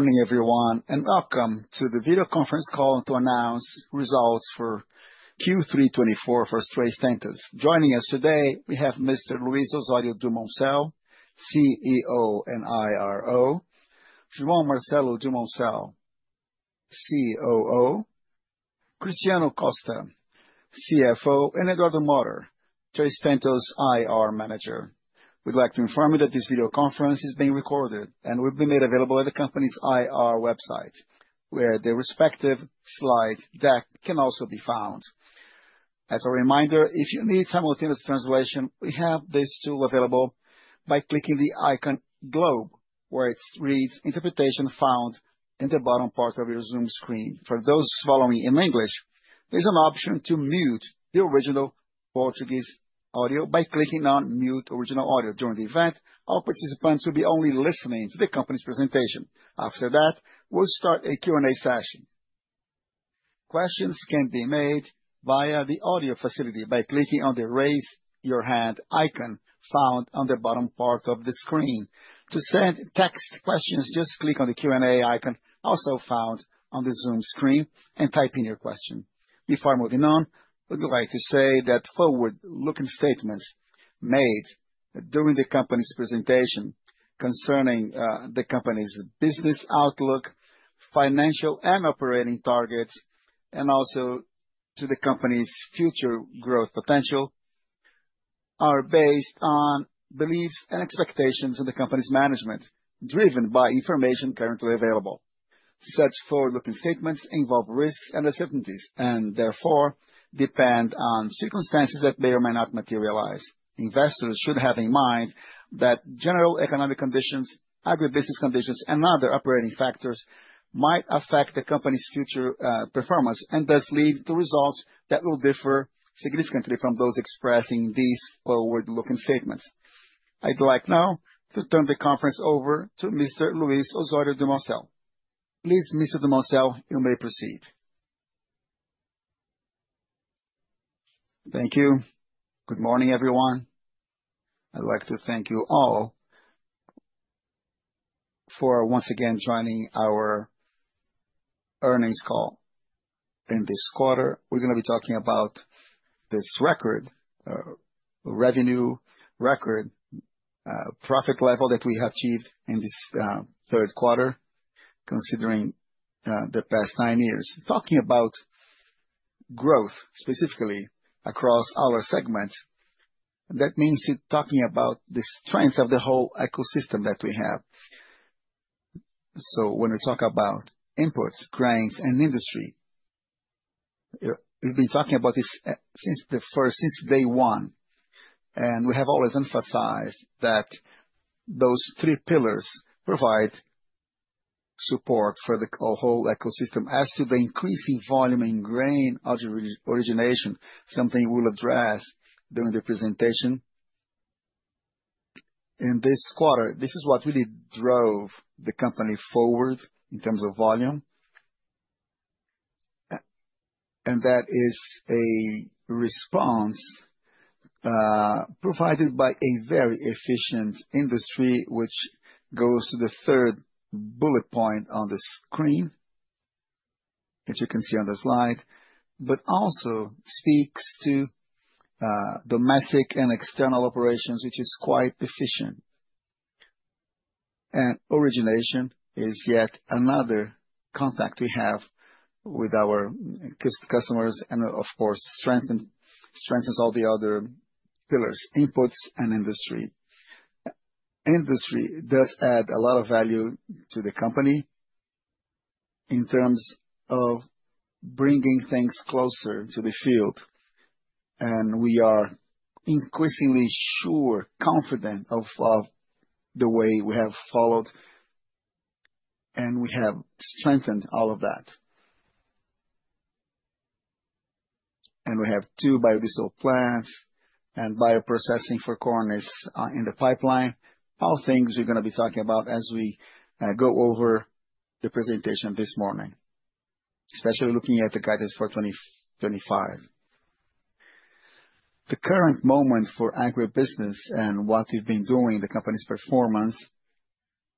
Morning, everyone, and welcome to the video conference call to announce results for Q3 24 for Três Tentos. Joining us today, we have Mr. Luiz Osório Dumoncel, CEO and IRO; João Marcelo Dumoncel, COO; Cristiano Costa, CFO; and Eduardo Motta, Três Tentos IR Manager. We'd like to inform you that this video conference is being recorded and will be made available at the company's IR website, where the respective slide deck can also be found. As a reminder, if you need simultaneous translation, we have this tool available by clicking the icon globe, where it reads "Interpretation Found" in the bottom part of your Zoom screen. For those following in English, there's an option to mute the original Portuguese audio by clicking on "Mute Original Audio." During the event, all participants will be only listening to the company's presentation. After that, we'll start a Q&A session. Questions can be made via the audio facility by clicking on the "Raise Your Hand" icon found on the bottom part of the screen. To send text questions, just click on the Q&A icon also found on the Zoom screen and type in your question. Before moving on, we'd like to say that forward-looking statements made during the company's presentation concerning the company's business outlook, financial and operating targets, and also to the company's future growth potential are based on beliefs and expectations of the company's management, driven by information currently available. Such forward-looking statements involve risks and uncertainties, and therefore depend on circumstances that may or may not materialize. Investors should have in mind that general economic conditions, agribusiness conditions, and other operating factors might affect the company's future performance and thus lead to results that will differ significantly from those expressed in these forward-looking statements. I'd like now to turn the conference over to Mr. Luiz Osório Dumoncel. Please, Mr. Dumoncel, you may proceed. Thank you. Good morning, everyone. I'd like to thank you all for once again joining our earnings call in this quarter. We're going to be talking about this record, revenue record, profit level that we have achieved in this third quarter, considering the past nine years. Talking about growth specifically across our segment, that means talking about the strength of the whole ecosystem that we have. So when we talk about inputs, grains, and industry, we've been talking about this since day one, and we have always emphasized that those three pillars provide support for the whole ecosystem as to the increasing volume in grain origination, something we'll address during the presentation. In this quarter, this is what really drove the company forward in terms of volume, and that is a response provided by a very efficient industry, which goes to the third bullet point on the screen, which you can see on the slide, but also speaks to domestic and external operations, which is quite efficient. And origination is yet another contact we have with our customers, and of course, strengthens all the other pillars, inputs and industry. Industry does add a lot of value to the company in terms of bringing things closer to the field. And we are increasingly sure, confident of the way we have followed, and we have strengthened all of that. And we have two biodiesel plants and bioprocessing for corn is in the pipeline. All things we're going to be talking about as we go over the presentation this morning, especially looking at the guidance for 2025. The current moment for agribusiness and what we've been doing, the company's performance,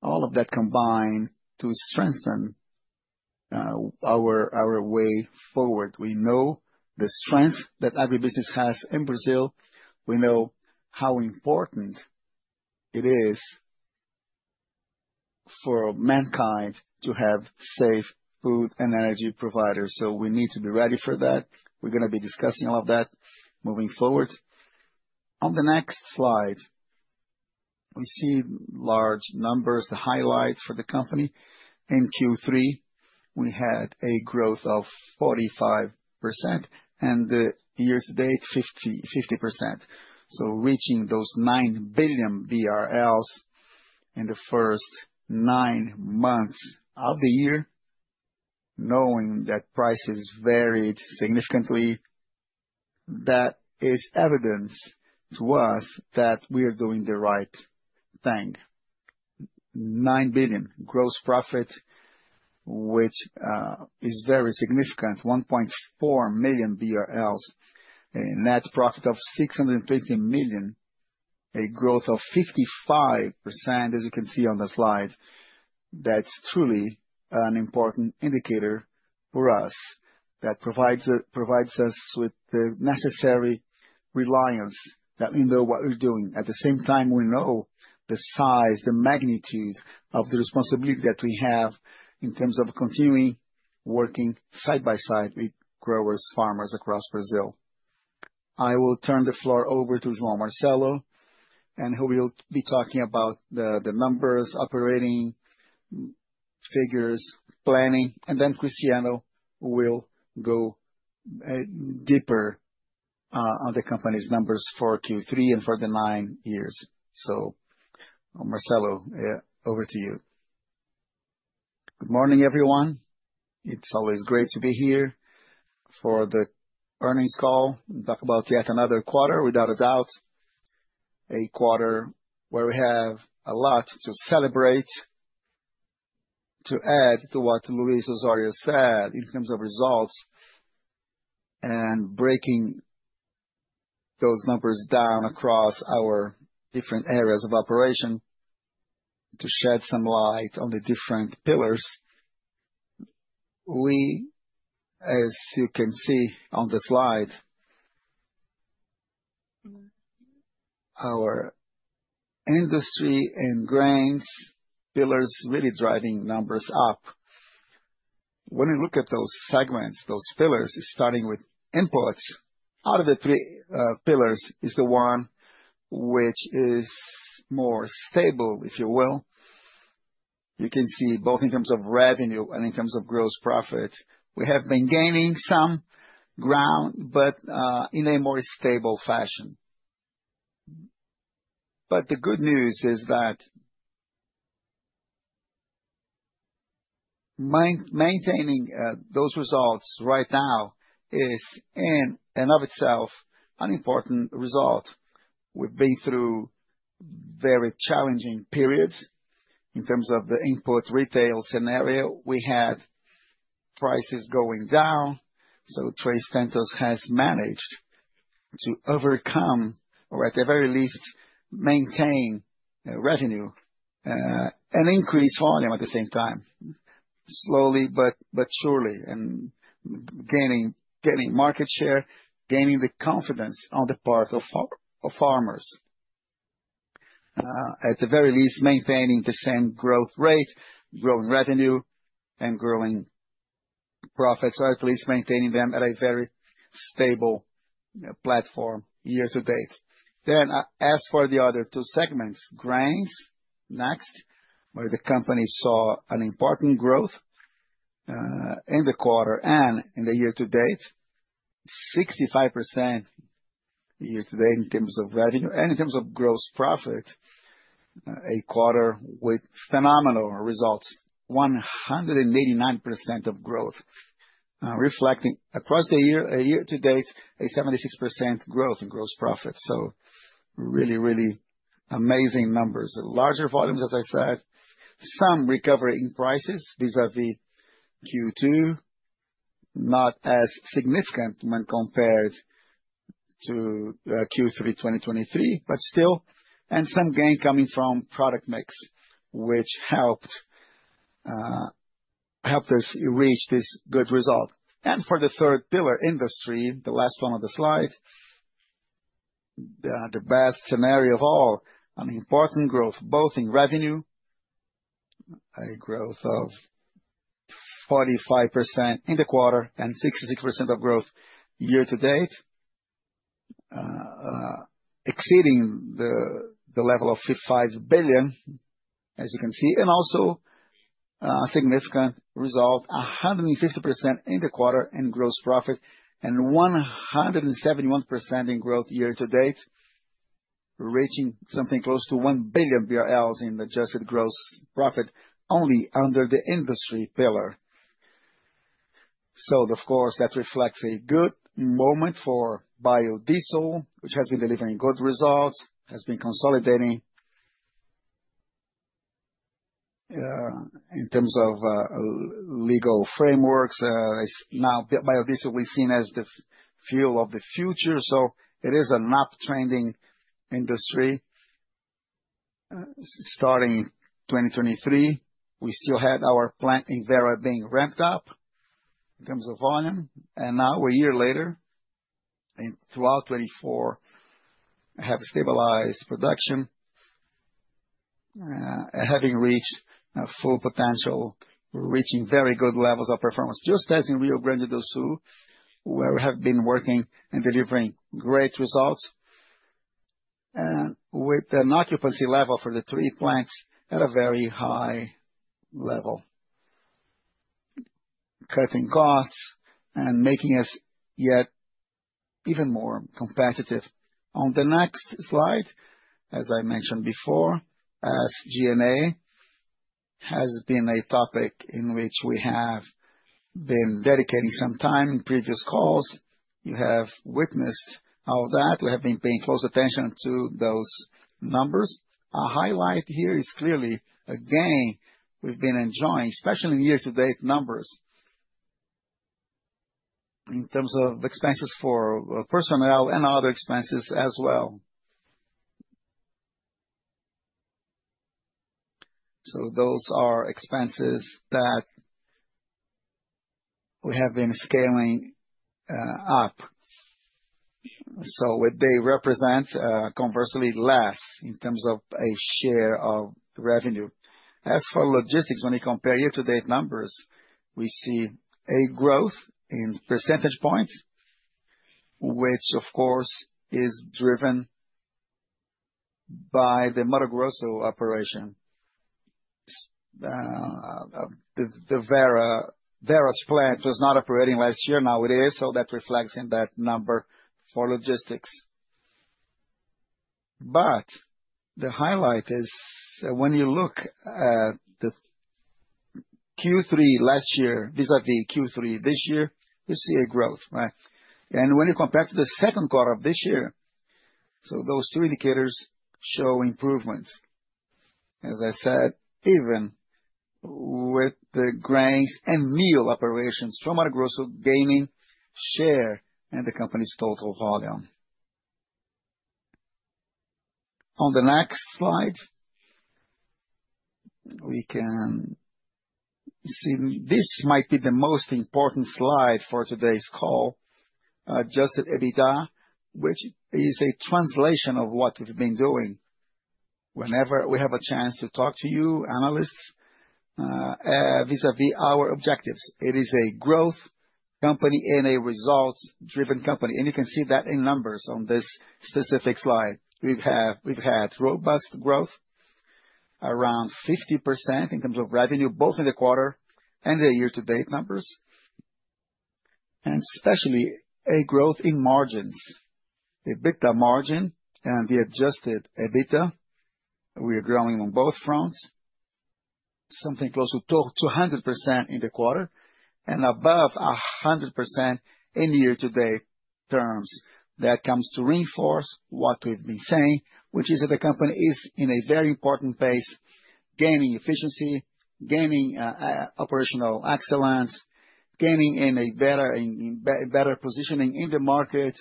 all of that combine to strengthen our way forward. We know the strength that agribusiness has in Brazil. We know how important it is for mankind to have safe food and energy providers. So we need to be ready for that. We're going to be discussing all of that moving forward. On the next slide, we see large numbers, the highlights for the company. In Q3, we had a growth of 45% and the year-to-date 50%. So reaching those 9 billion BRL in the first nine months of the year, knowing that prices varied significantly, that is evidence to us that we are doing the right thing. 9 billion gross profit, which is very significant, BRL 1.4 million, a net profit of 620 million BRL, a growth of 55%, as you can see on the slide. That's truly an important indicator for us that provides us with the necessary reliance that we know what we're doing. At the same time, we know the size, the magnitude of the responsibility that we have in terms of continuing working side by side with growers, farmers across Brazil. I will turn the floor over to João Marcelo, and he will be talking about the numbers, operating figures, planning, and then Cristiano will go deeper on the company's numbers for Q3 and for the nine years. So Marcelo, over to you. Good morning, everyone. It's always great to be here for the earnings call and talk about yet another quarter, without a doubt, a quarter where we have a lot to celebrate, to add to what Luiz Osório said in terms of results and breaking those numbers down across our different areas of operation to shed some light on the different pillars. We, as you can see on the slide, our industry and grains pillars really driving numbers up. When we look at those segments, those pillars, starting with inputs, out of the three pillars, is the one which is more stable, if you will. You can see both in terms of revenue and in terms of gross profit. We have been gaining some ground, but in a more stable fashion. But the good news is that maintaining those results right now is, in and of itself, an important result. We've been through very challenging periods in terms of the input retail scenario. We had prices going down, so Três Tentos has managed to overcome, or at the very least, maintain revenue and increase volume at the same time, slowly but surely, and gaining market share, gaining the confidence on the part of farmers. At the very least, maintaining the same growth rate, growing revenue, and growing profits, or at least maintaining them at a very stable platform year-to-date, as for the other two segments, grains, next, where the company saw an important growth in the quarter and in the year-to-date, 65% year-to-date in terms of revenue and in terms of gross profit, a quarter with phenomenal results, 189% of growth, reflecting across the year-to-date, a 76% growth in gross profit. So really, really amazing numbers. Larger volumes, as I said, some recovery in prices vis-à-vis Q2, not as significant when compared to Q3 2023, but still, and some gain coming from product mix, which helped us reach this good result. For the third pillar, industry, the last one on the slide, the best scenario of all, an important growth, both in revenue, a growth of 45% in the quarter and 66% of growth year-to-date, exceeding the level of 55 billion, as you can see, and also a significant result, 150% in the quarter in gross profit and 171% in growth year-to-date, reaching something close to 1 billion BRL in adjusted gross profit only under the industry pillar. Of course, that reflects a good moment for biodiesel, which has been delivering good results, has been consolidating in terms of legal frameworks. Biodiesel is seen as the fuel of the future. So it is an uptrending industry. Starting 2023, we still had our plant in Vera being ramped up in terms of volume. And now, a year later, throughout 2024, have stabilized production, having reached full potential, reaching very good levels of performance, just as in Rio Grande do Sul, where we have been working and delivering great results with an occupancy level for the three plants at a very high level, cutting costs and making us yet even more competitive. On the next slide, as I mentioned before, as G&A has been a topic in which we have been dedicating some time in previous calls, you have witnessed all that. We have been paying close attention to those numbers. A highlight here is clearly, again, we've been enjoying, especially in year-to-date numbers, in terms of expenses for personnel and other expenses as well. Those are expenses that we have been scaling up. They represent, conversely, less in terms of a share of revenue. As for logistics, when we compare year-to-date numbers, we see a growth in percentage points, which, of course, is driven by the Mato Grosso operation. The Vera plant was not operating last year. Now it is. That reflects in that number for logistics. But the highlight is when you look at the Q3 last year vis-à-vis Q3 this year, you see a growth, right? When you compare it to the second quarter of this year, those two indicators show improvements. As I said, even with the grains and meal operations, Mato Grosso gaining share in the company's total volume. On the next slide, we can see this might be the most important slide for today's call, just EBITDA, which is a translation of what we've been doing whenever we have a chance to talk to you, analysts, vis-à-vis our objectives. It is a growth company and a results-driven company. And you can see that in numbers on this specific slide. We've had robust growth, around 50% in terms of revenue, both in the quarter and the year-to-date numbers, and especially a growth in margins. We've picked a margin and the adjusted EBITDA. We are growing on both fronts, something close to 200% in the quarter and above 100% in year-to-date terms. That comes to reinforce what we've been saying, which is that the company is in a very important pace, gaining efficiency, gaining operational excellence, gaining in a better positioning in the market.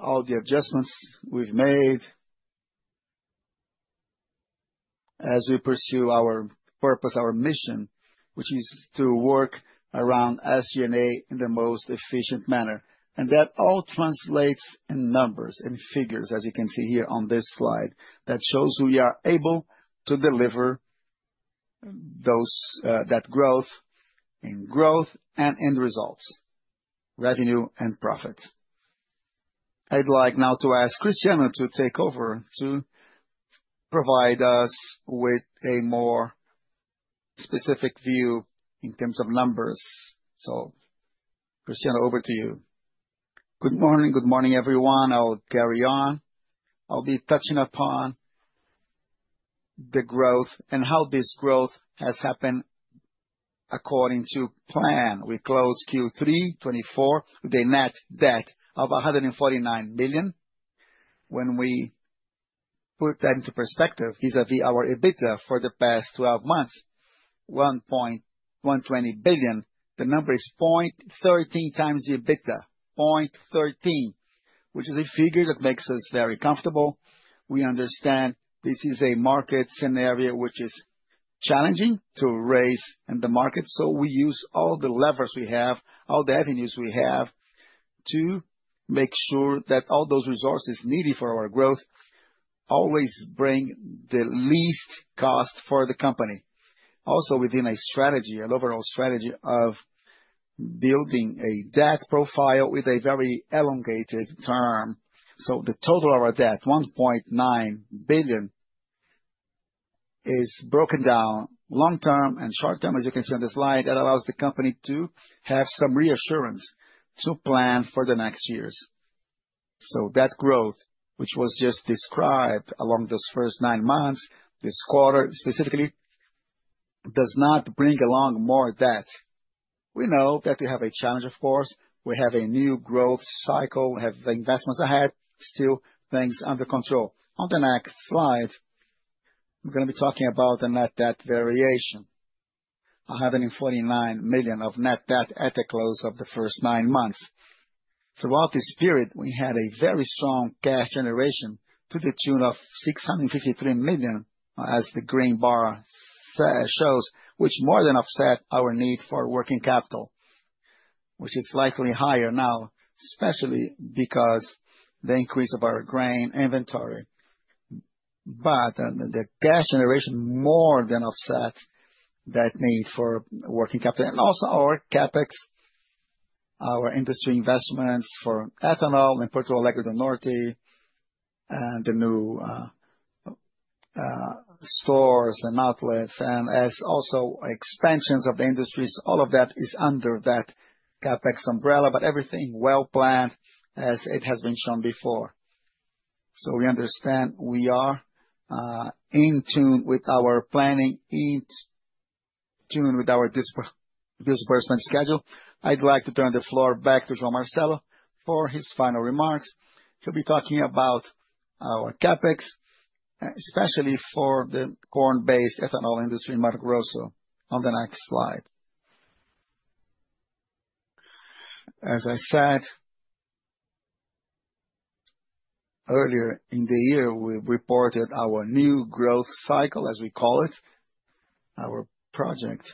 All the adjustments we've made as we pursue our purpose, our mission, which is to work around SG&A in the most efficient manner. And that all translates in numbers and figures, as you can see here on this slide, that shows we are able to deliver that growth in growth and in results, revenue and profits. I'd like now to ask Cristiano to take over to provide us with a more specific view in terms of numbers. So, Cristiano, over to you. Good morning. Good morning, everyone. I'll carry on. I'll be touching upon the growth and how this growth has happened according to plan. We closed Q324 with a net debt of 149 billion. When we put that into perspective vis-à-vis our EBITDA for the past 12 months, 1.120 billion, the number is 0.13 times the EBITDA, 0.13, which is a figure that makes us very comfortable. We understand this is a market scenario which is challenging to raise in the market, so we use all the levers we have, all the avenues we have to make sure that all those resources needed for our growth always bring the least cost for the company. Also, within a strategy, an overall strategy of building a debt profile with a very elongated term, so the total of our debt, 1.9 billion, is broken down long-term and short-term, as you can see on the slide. That allows the company to have some reassurance to plan for the next years, so that growth, which was just described along those first nine months, this quarter specifically, does not bring along more debt. We know that we have a challenge, of course. We have a new growth cycle. We have investments ahead. Still, things under control. On the next slide, I'm going to be talking about the net debt variation. We had 149 million of net debt at the close of the first nine months. Throughout this period, we had a very strong cash generation to the tune of 653 million, as the green bar shows, which more than offset our need for working capital, which is slightly higher now, especially because of the increase of our grain inventory, but the cash generation more than offset that need for working capital, and also our CapEx, our industry investments for ethanol and Porto Alegre do Norte, and the new stores and outlets, and also expansions of the industries, all of that is under that CapEx umbrella, but everything well planned, as it has been shown before, so we understand we are in tune with our planning, in tune with our disbursement schedule. I'd like to turn the floor back to João Marcelo for his final remarks. He'll be talking about our CapEx, especially for the corn-based ethanol industry in Mato Grosso on the next slide. As I said, earlier in the year, we reported our new growth cycle, as we call it, our project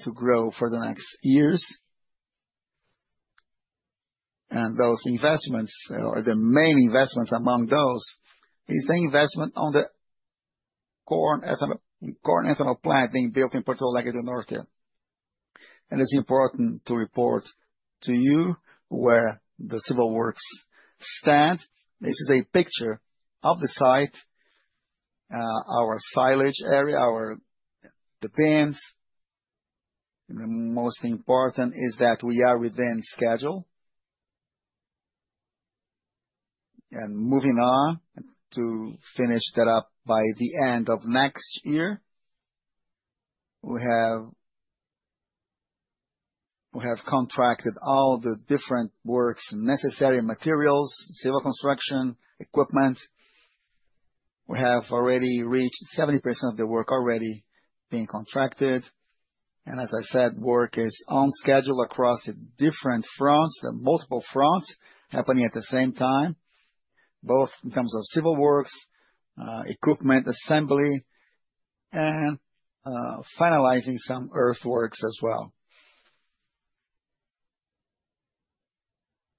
to grow for the next years. Those investments are the main investments. Among those is the investment on the corn ethanol plant being built in Porto Alegre do Norte. It's important to report to you where the civil works stand. This is a picture of the site, our silage area, our bins. The most important is that we are within schedule. Moving on to finish that up by the end of next year, we have contracted all the different works, necessary materials, civil construction equipment. We have already reached 70% of the work already being contracted. And as I said, work is on schedule across the different fronts, the multiple fronts happening at the same time, both in terms of civil works, equipment assembly, and finalizing some earthworks as well.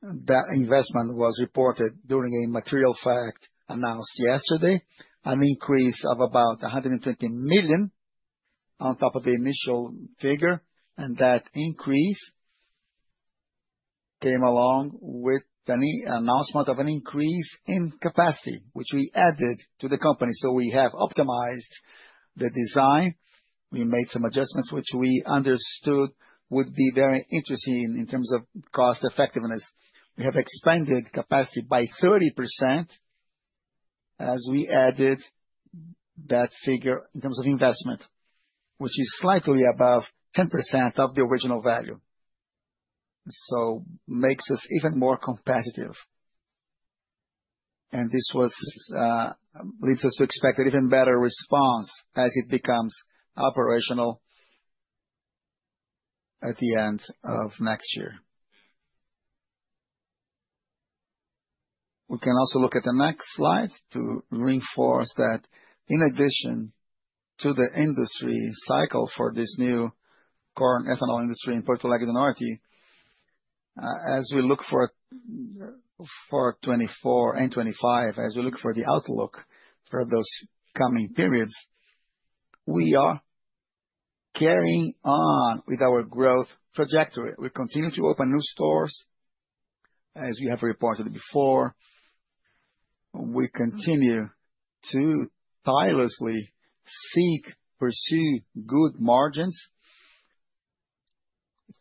That investment was reported during a material fact announced yesterday, an increase of about 120 million on top of the initial figure. And that increase came along with the announcement of an increase in capacity, which we added to the company. So we have optimized the design. We made some adjustments, which we understood would be very interesting in terms of cost effectiveness. We have expanded capacity by 30% as we added that figure in terms of investment, which is slightly above 10% of the original value. So it makes us even more competitive. This leads us to expect an even better response as it becomes operational at the end of next year. We can also look at the next slide to reinforce that in addition to the industry cycle for this new corn ethanol industry in Porto Alegre do Norte, as we look for 2024 and 2025, as we look for the outlook for those coming periods, we are carrying on with our growth trajectory. We continue to open new stores, as we have reported before. We continue to tirelessly seek, pursue good margins.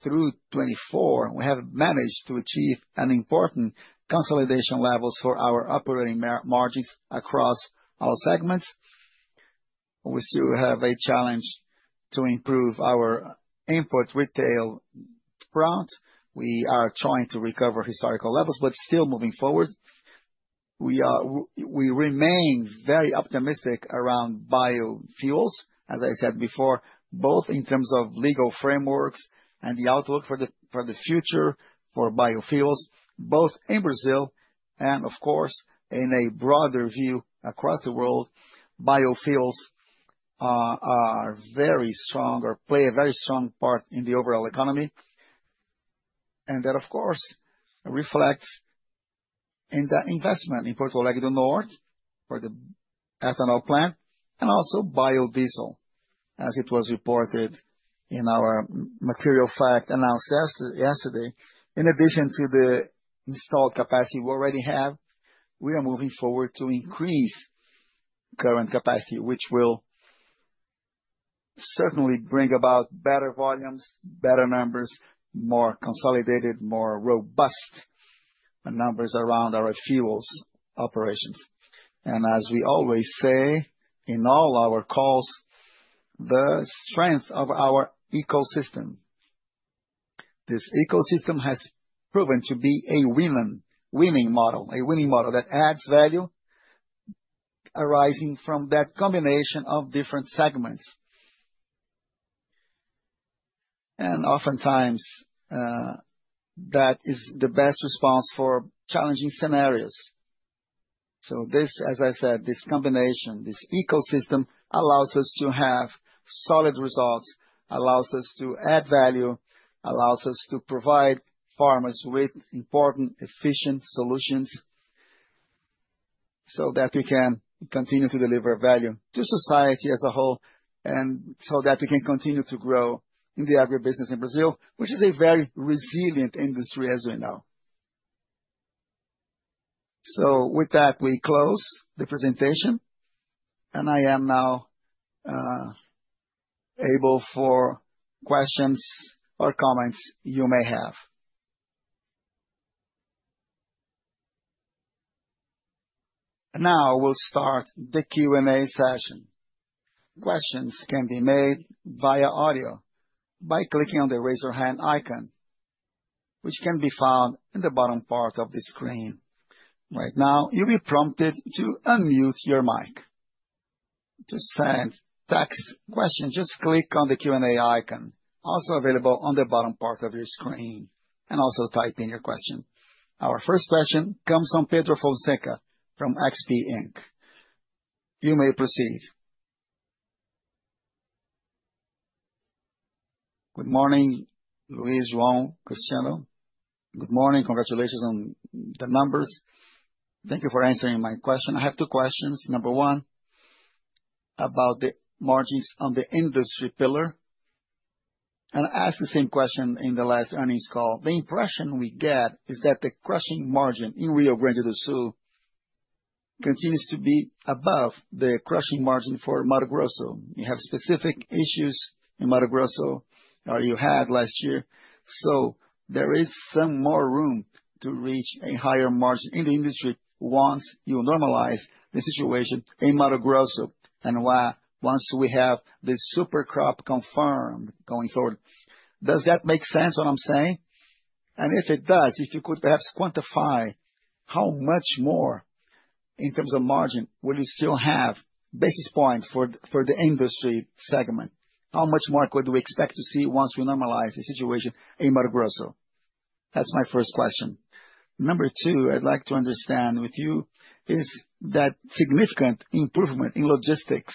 Through 2024, we have managed to achieve important consolidation levels for our operating margins across all segments. We still have a challenge to improve our input retail front. We are trying to recover historical levels, but still moving forward. We remain very optimistic around biofuels, as I said before, both in terms of legal frameworks and the outlook for the future for biofuels, both in Brazil and, of course, in a broader view across the world. Biofuels are very strong or play a very strong part in the overall economy, and that, of course, reflects in the investment in Porto Alegre do Norte for the ethanol plant and also biodiesel, as it was reported in our material fact announced yesterday. In addition to the installed capacity we already have, we are moving forward to increase current capacity, which will certainly bring about better volumes, better numbers, more consolidated, more robust numbers around our fuels operations. As we always say in all our calls, the strength of our ecosystem. This ecosystem has proven to be a winning model, a winning model that adds value arising from that combination of different segments. And oftentimes, that is the best response for challenging scenarios. So this, as I said, this combination, this ecosystem allows us to have solid results, allows us to add value, allows us to provide farmers with important, efficient solutions so that we can continue to deliver value to society as a whole and so that we can continue to grow in the agribusiness in Brazil, which is a very resilient industry as we know. So with that, we close the presentation, and I am now available for questions or comments you may have. Now we'll start the Q&A session. Questions can be made via audio by clicking on the raise your hand icon, which can be found in the bottom part of the screen. Right now, you'll be prompted to unmute your mic to send text questions. Just click on the Q&A icon, also available on the bottom part of your screen, and also type in your question. Our first question comes from Pedro Fonseca from XP Inc. You may proceed. Good morning, Luiz, João, Cristiano. Good morning. Congratulations on the numbers. Thank you for answering my question. I have two questions. Number one, about the margins on the industry pillar, and I asked the same question in the last earnings call. The impression we get is that the crushing margin in Rio Grande do Sul continues to be above the crushing margin for Mato Grosso. You have specific issues in Mato Grosso or you had last year? So there is some more room to reach a higher margin in the industry once you normalize the situation in Mato Grosso and once we have the super crop confirmed going forward. Does that make sense what I'm saying? And if it does, if you could perhaps quantify how much more in terms of margin, will you still have basis points for the industry segment? How much more could we expect to see once we normalize the situation in Mato Grosso? That's my first question. Number two, I'd like to understand with you is that significant improvement in logistics.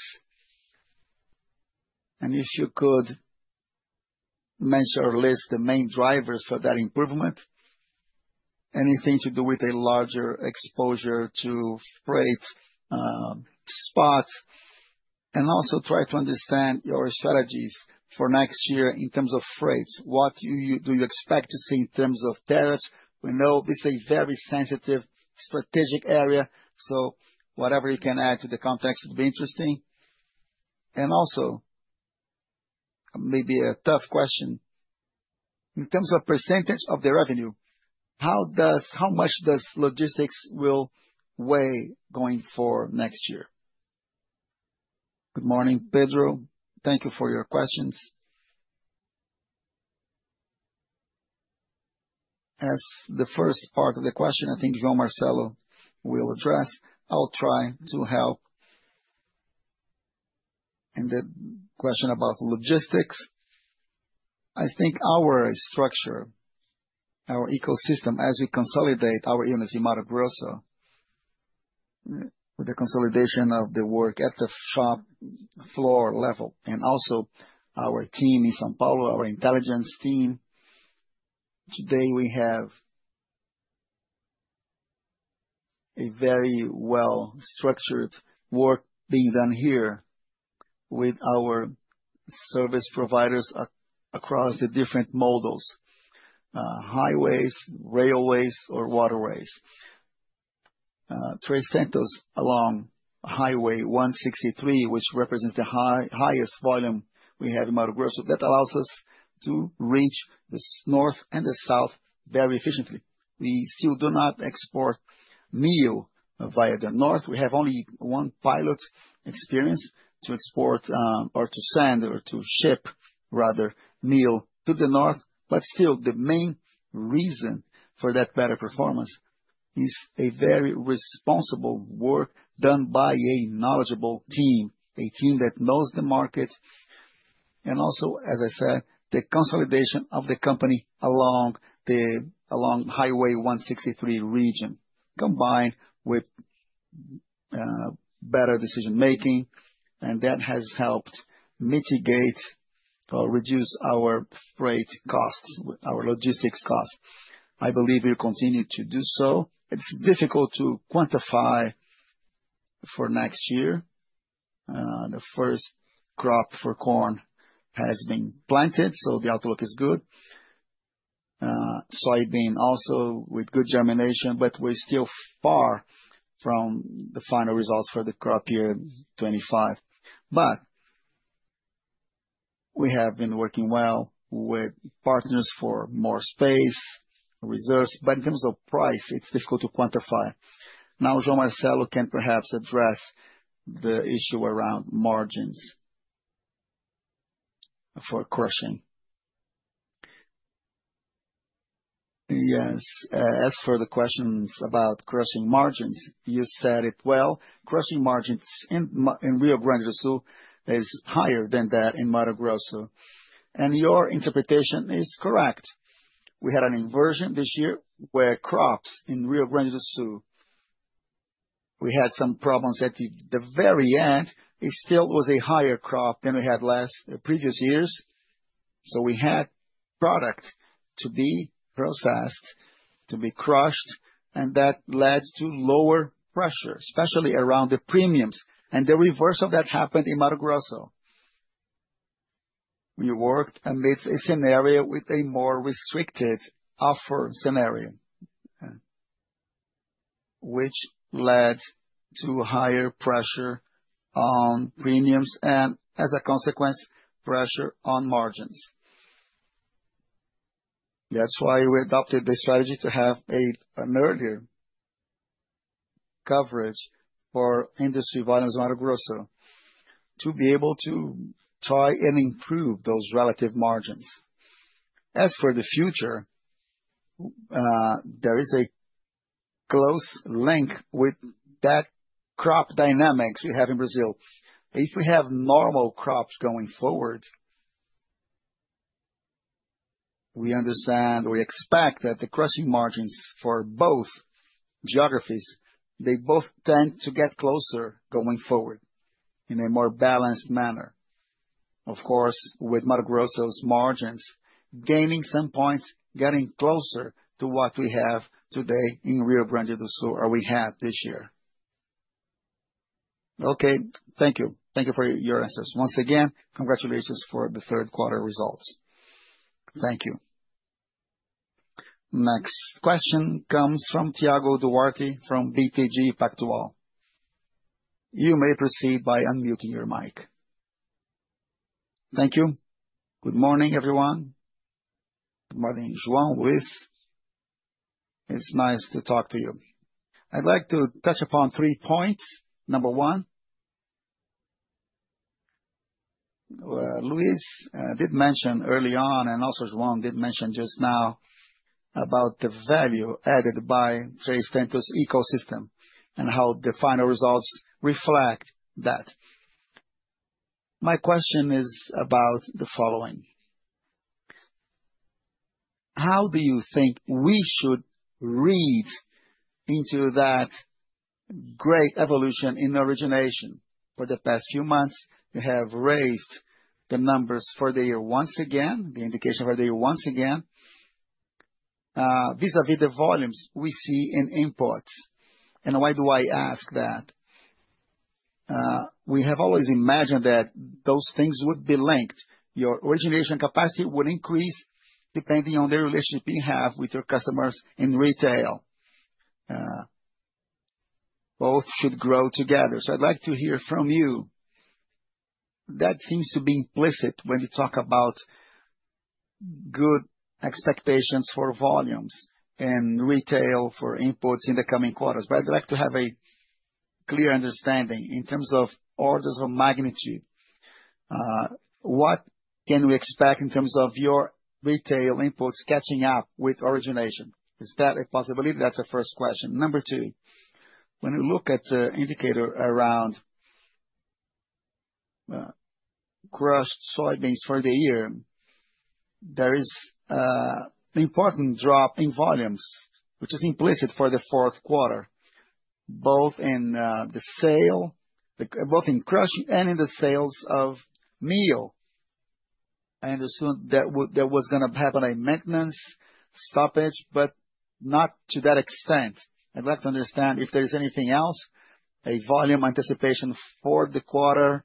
And if you could mention or list the main drivers for that improvement, anything to do with a larger exposure to freight spots, and also try to understand your strategies for next year in terms of freights. What do you expect to see in terms of tariffs? We know this is a very sensitive strategic area, so whatever you can add to the context would be interesting. And also, maybe a tough question. In terms of percentage of the revenue, how much does logistics will weigh going for next year? Good morning, Pedro. Thank you for your questions. As the first part of the question, I think João Marcelo will address, I'll try to help in the question about logistics. I think our structure, our ecosystem, as we consolidate our units in Mato Grosso, with the consolidation of the work at the shop floor level and also our team in São Paulo, our intelligence team, today we have a very well-structured work being done here with our service providers across the different modes, highways, railways, or waterways. Três Tentos along BR-163, which represents the highest volume we have in Mato Grosso, that allows us to reach the north and the south very efficiently. We still do not export meal via the north. We have only one pilot experience to export or to send or to ship, rather, meal to the north. But still, the main reason for that better performance is a very responsible work done by a knowledgeable team, a team that knows the market. And also, as I said, the consolidation of the company along the BR-163 region, combined with better decision-making, and that has helped mitigate or reduce our freight costs, our logistics costs. I believe we'll continue to do so. It's difficult to quantify for next year. The first crop for corn has been planted, so the outlook is good. Soybean also with good germination, but we're still far from the final results for the crop year 25, but we have been working well with partners for more space, reserves, but in terms of price, it's difficult to quantify. Now, João Marcelo can perhaps address the issue around margins for crushing. Yes, as for the questions about crushing margins, you said it well. Crushing margins in Rio Grande do Sul is higher than that in Mato Grosso, and your interpretation is correct. We had an inversion this year where crops in Rio Grande do Sul, we had some problems at the very end. It still was a higher crop than we had last previous years, so we had product to be processed, to be crushed, and that led to lower pressure, especially around the premiums, and the reverse of that happened in Mato Grosso. We worked amidst a scenario with a more restricted offer scenario, which led to higher pressure on premiums and, as a consequence, pressure on margins. That's why we adopted the strategy to have an earlier coverage for industry volumes in Mato Grosso to be able to try and improve those relative margins. As for the future, there is a close link with that crop dynamics we have in Brazil. If we have normal crops going forward, we understand or we expect that the crushing margins for both geographies, they both tend to get closer going forward in a more balanced manner. Of course, with Mato Grosso's margins gaining some points, getting closer to what we have today in Rio Grande do Sul or we had this year. Okay, thank you. Thank you for your answers. Once again, congratulations for the third quarter results. Thank you. Next question comes from Thiago Duarte from BTG Pactual. You may proceed by unmuting your mic. Thank you. Good morning, everyone. Good morning, João, Luiz. It's nice to talk to you. I'd like to touch upon three points. Number one, Luiz did mention early on, and also João did mention just now about the value added by Três Tentos Ecosystem and how the final results reflect that. My question is about the following. How do you think we should read into that great evolution in origination? For the past few months, you have raised the numbers for the year once again, the indication for the year once again, vis-à-vis the volumes we see in imports. And why do I ask that? We have always imagined that those things would be linked. Your origination capacity would increase depending on the relationship you have with your customers in retail. Both should grow together. So I'd like to hear from you. That seems to be implicit when you talk about good expectations for volumes and retail for inputs in the coming quarters. But I'd like to have a clear understanding in terms of orders of magnitude. What can we expect in terms of your retail inputs catching up with origination? Is that a possibility? That's the first question. Number two, when we look at the indicator around crushed soybeans for the year, there is an important drop in volumes, which is implicit for the fourth quarter, both in the sale, both in crushing and in the sales of meal. I understood that there was going to happen a maintenance stoppage, but not to that extent. I'd like to understand if there is anything else, a volume anticipation for the quarter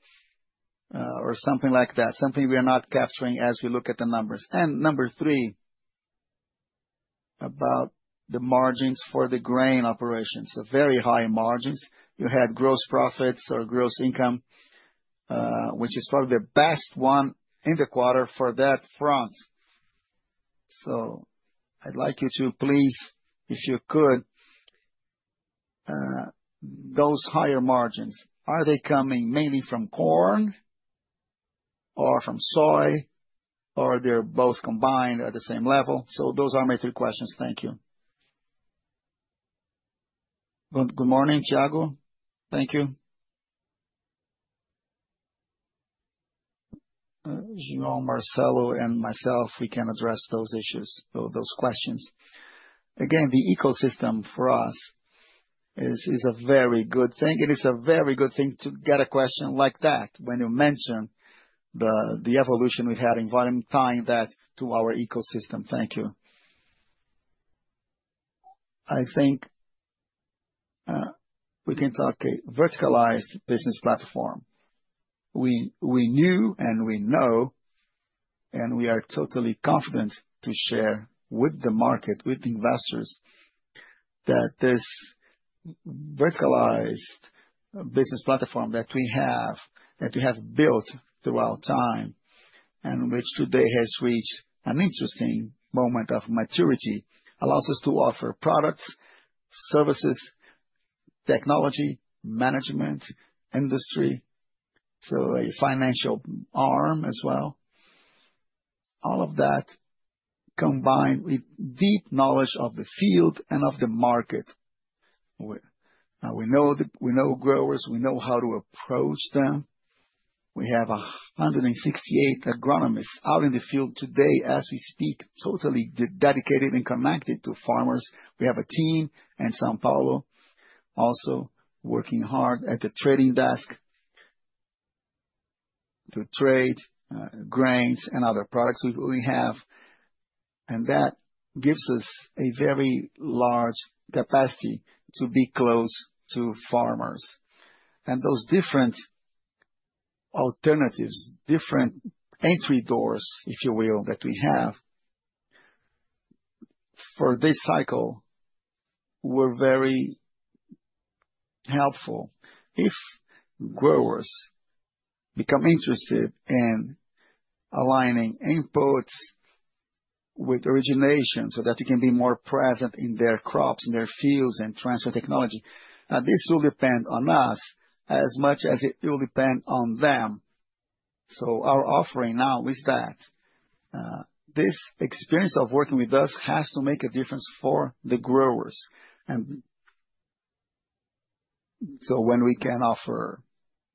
or something like that, something we are not capturing as we look at the numbers, and number three, about the margins for the grain operations, so very high margins. You had gross profits or gross income, which is probably the best one in the quarter for that front, so I'd like you to please, if you could, those higher margins, are they coming mainly from corn or from soy, or are they both combined at the same level, so those are my three questions. Thank you. Good morning, Thiago. Thank you. João Marcelo, and myself, we can address those issues, those questions. Again, the ecosystem for us is a very good thing. It is a very good thing to get a question like that when you mention the evolution we've had in volume tying that to our ecosystem. Thank you. I think we can talk a verticalized business platform. We knew and we know, and we are totally confident to share with the market, with investors, that this verticalized business platform that we have, that we have built throughout time and which today has reached an interesting moment of maturity, allows us to offer products, services, technology, management, industry, so a financial arm as well. All of that combined with deep knowledge of the field and of the market. We know growers, we know how to approach them. We have 168 agronomists out in the field today as we speak, totally dedicated and connected to farmers. We have a team in São Paulo also working hard at the trading desk to trade grains and other products we have. And that gives us a very large capacity to be close to farmers. And those different alternatives, different entry doors, if you will, that we have for this cycle were very helpful. If growers become interested in aligning inputs with origination so that you can be more present in their crops, in their fields, and transfer technology, this will depend on us as much as it will depend on them. So our offering now is that this experience of working with us has to make a difference for the growers. When we can offer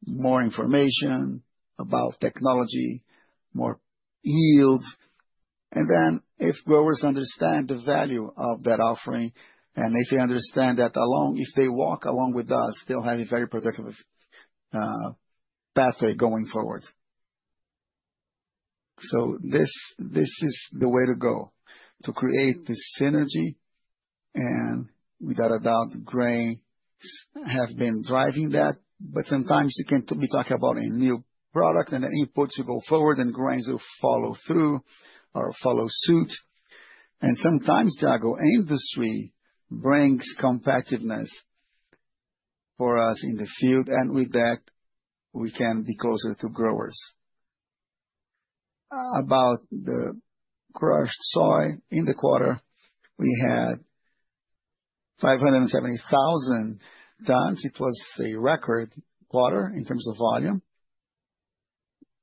more information about technology, more yield, and then if growers understand the value of that offering and if they understand that along, if they walk along with us, they'll have a very productive pathway going forward. This is the way to go, to create this synergy. Without a doubt, grains have been driving that. Sometimes you can be talking about a new product and then inputs will go forward and grains will follow through or follow suit. Sometimes the agro-industry brings competitiveness for us in the field. With that, we can be closer to growers. About the crushed soy in the quarter, we had 570,000 tons. It was a record quarter in terms of volume.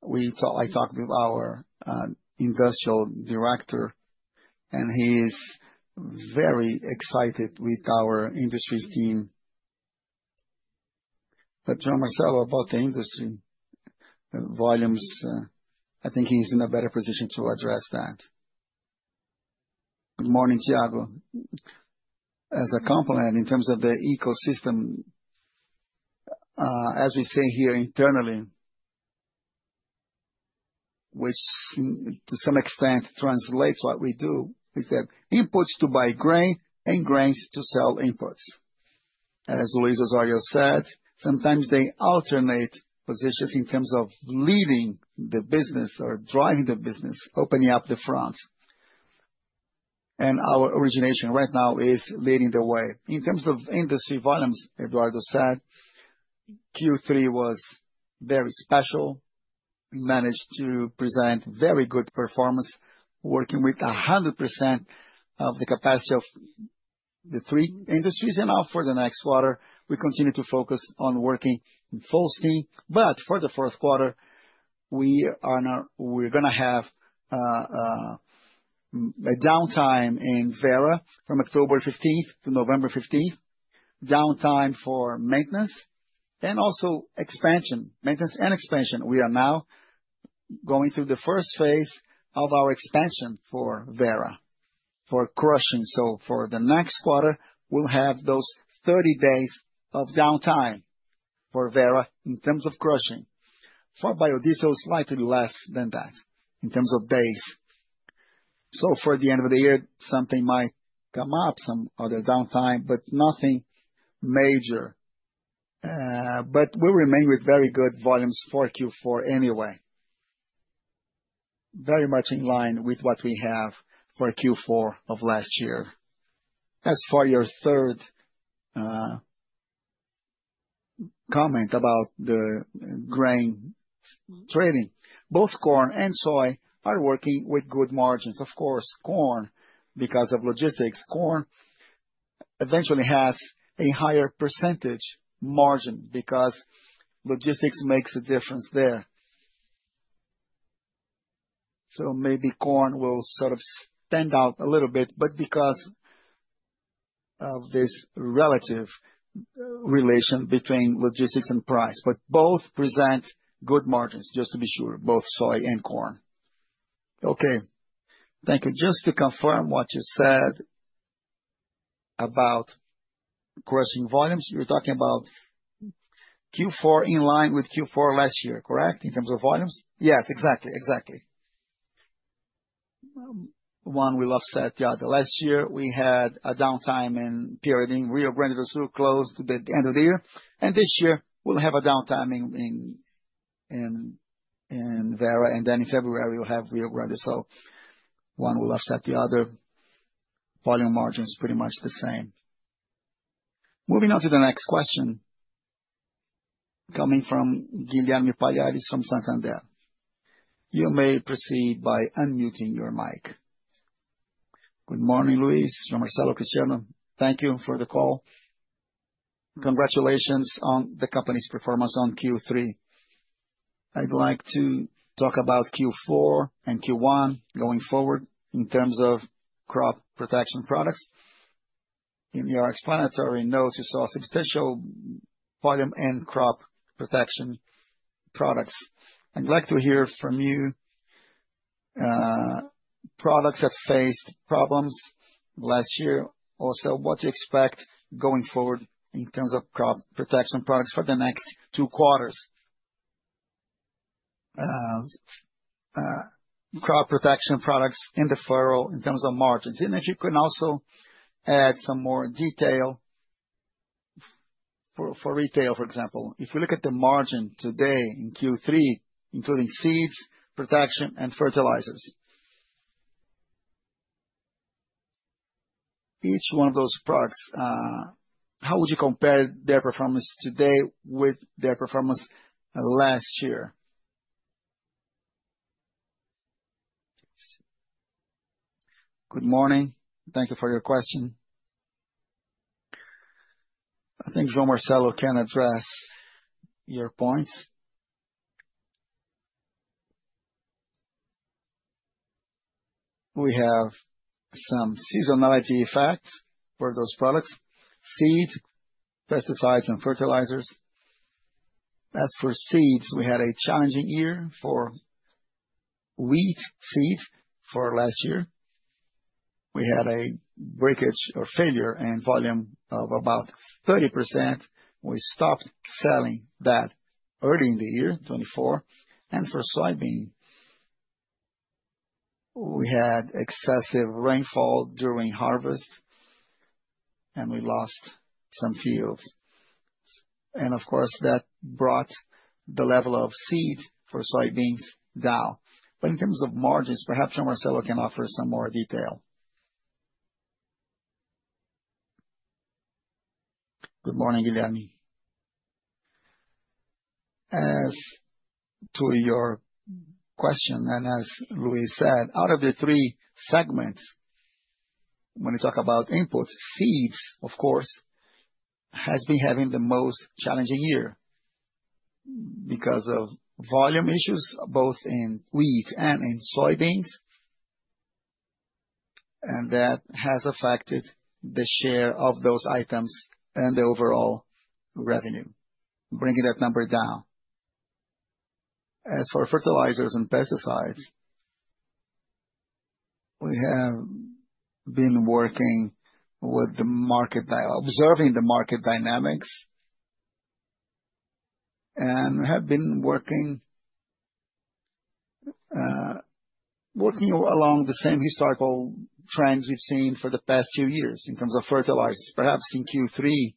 I talked to our industrial director, and he is very excited with our industrial team. But João Marcelo, about the industry volumes, I think he's in a better position to address that. Good morning, Thiago. As a complement in terms of the ecosystem, as we say here internally, which to some extent translates what we do is that inputs to buy grain and grains to sell inputs. And as Luiz Osório said, sometimes they alternate positions in terms of leading the business or driving the business, opening up the front. And our origination right now is leading the way. In terms of industry volumes, Eduardo said, Q3 was very special. We managed to present very good performance, working with 100% of the capacity of the three industries. And now for the next quarter, we continue to focus on working in full steam. But for the fourth quarter, we are going to have a downtime in Vera from October 15th to November 15th, downtime for maintenance and also expansion, maintenance and expansion. We are now going through the first phase of our expansion for Vera, for crushing. So for the next quarter, we'll have those 30 days of downtime for Vera in terms of crushing. For Biodiesel, slightly less than that in terms of days. So for the end of the year, something might come up, some other downtime, but nothing major. But we'll remain with very good volumes for Q4 anyway, very much in line with what we have for Q4 of last year. As for your third comment about the grain trading, both corn and soy are working with good margins. Of course, corn, because of logistics, corn eventually has a higher percentage margin because logistics makes a difference there. So maybe corn will sort of stand out a little bit, but because of this relative relation between logistics and price, but both present good margins, just to be sure, both soy and corn. Okay. Thank you. Just to confirm what you said about crushing volumes, you're talking about Q4 in line with Q4 last year, correct? In terms of volumes? Yes, exactly, exactly. One will offset the other. Last year, we had a downtime in period in Rio Grande do Sul close to the end of the year. And this year, we'll have a downtime in Vera. And then in February, we'll have Rio Grande do Sul. One will offset the other. Volume margin is pretty much the same. Moving on to the next question coming from Guilherme Palhares from Santander. You may proceed by unmuting your mic. Good morning, Luiz. João Marcelo, Cristiano. Thank you for the call. Congratulations on the company's performance on Q3. I'd like to talk about Q4 and Q1 going forward in terms of crop protection products. In your explanatory notes, you saw substantial volume and crop protection products. I'd like to hear from you products that faced problems last year, also what to expect going forward in terms of crop protection products for the next two quarters. Crop protection products in the future in terms of margins. And if you can also add some more detail for retail, for example, if we look at the margin today in Q3, including seeds, protection, and fertilizers. Each one of those products, how would you compare their performance today with their performance last year? Good morning. Thank you for your question. I think João Marcelo can address your points. We have some seasonality effects for those products: seed, pesticides, and fertilizers. As for seeds, we had a challenging year for wheat seed for last year. We had a breakage or failure in volume of about 30%. We stopped selling that early in the year, 2024, and for soybean, we had excessive rainfall during harvest, and we lost some fields, and of course, that brought the level of seed for soybeans down, but in terms of margins, perhaps João Marcelo can offer some more detail. Good morning, Guilherme. As to your question and as Luiz said, out of the three segments, when you talk about inputs, seeds, of course, has been having the most challenging year because of volume issues both in wheat and in soybeans, and that has affected the share of those items and the overall revenue, bringing that number down. As for fertilizers and pesticides, we have been working with the market, observing the market dynamics, and have been working along the same historical trends we've seen for the past few years in terms of fertilizers. Perhaps in Q3,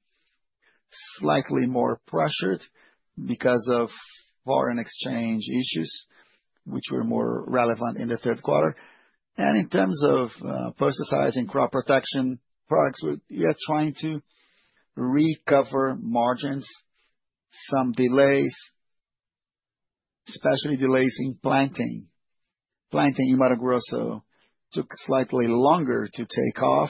slightly more pressured because of foreign exchange issues, which were more relevant in the third quarter, and in terms of pesticides and crop protection products, we're trying to recover margins, some delays, especially delays in planting. Planting in Mato Grosso took slightly longer to take off,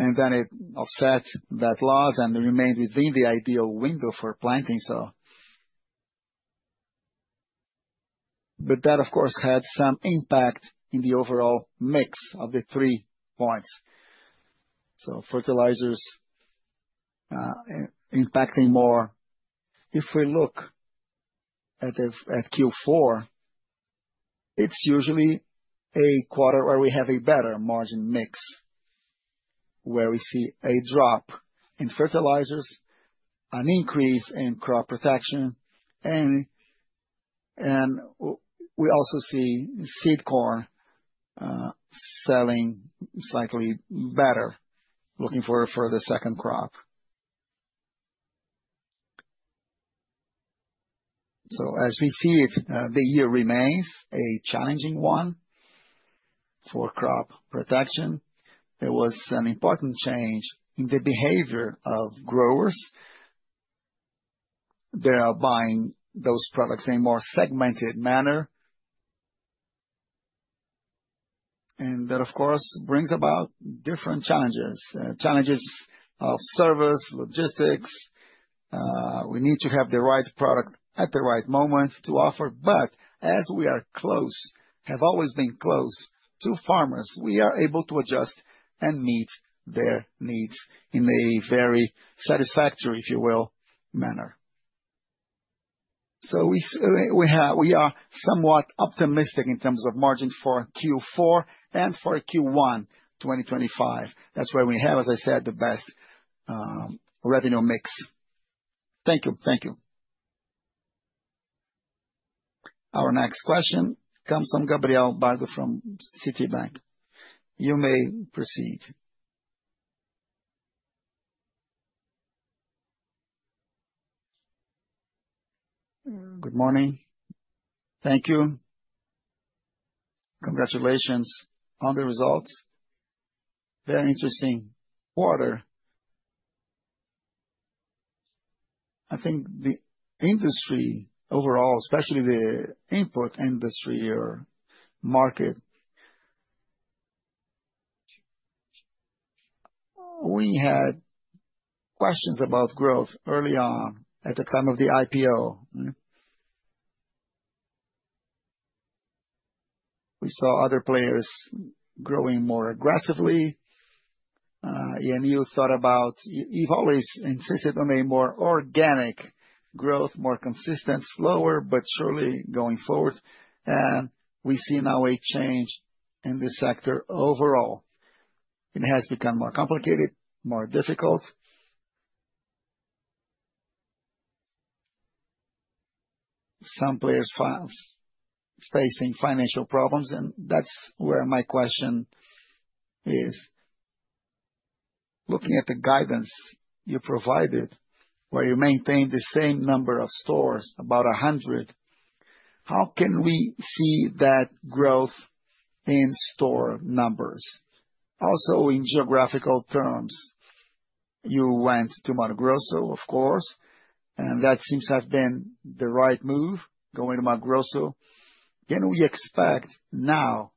and then it offset that loss and remained within the ideal window for planting, but that, of course, had some impact in the overall mix of the three points, so fertilizers impacting more. If we look at Q4, it's usually a quarter where we have a better margin mix, where we see a drop in fertilizers, an increase in crop protection, and we also see seed corn selling slightly better, looking for the second crop. So as we see it, the year remains a challenging one for crop protection. There was an important change in the behavior of growers. They are buying those products in a more segmented manner. And that, of course, brings about different challenges, challenges of service, logistics. We need to have the right product at the right moment to offer. But as we are close, have always been close to farmers, we are able to adjust and meet their needs in a very satisfactory, if you will, manner. So we are somewhat optimistic in terms of margins for Q4 and for Q1 2025. That's where we have, as I said, the best revenue mix. Thank you. Thank you. Our next question comes from Gabriel Barra from Citibank. You may proceed. Good morning. Thank you. Congratulations on the results. Very interesting quarter. I think the industry overall, especially the input industry or market, we had questions about growth early on at the time of the IPO. We saw other players growing more aggressively. And you thought about, you've always insisted on a more organic growth, more consistent, slower, but surely going forward. And we see now a change in the sector overall. It has become more complicated, more difficult. Some players facing financial problems, and that's where my question is. Looking at the guidance you provided, where you maintained the same number of stores, about 100, how can we see that growth in store numbers? Also, in geographical terms, you went to Mato Grosso, of course, and that seems to have been the right move, going to Mato Grosso. Can we expect now,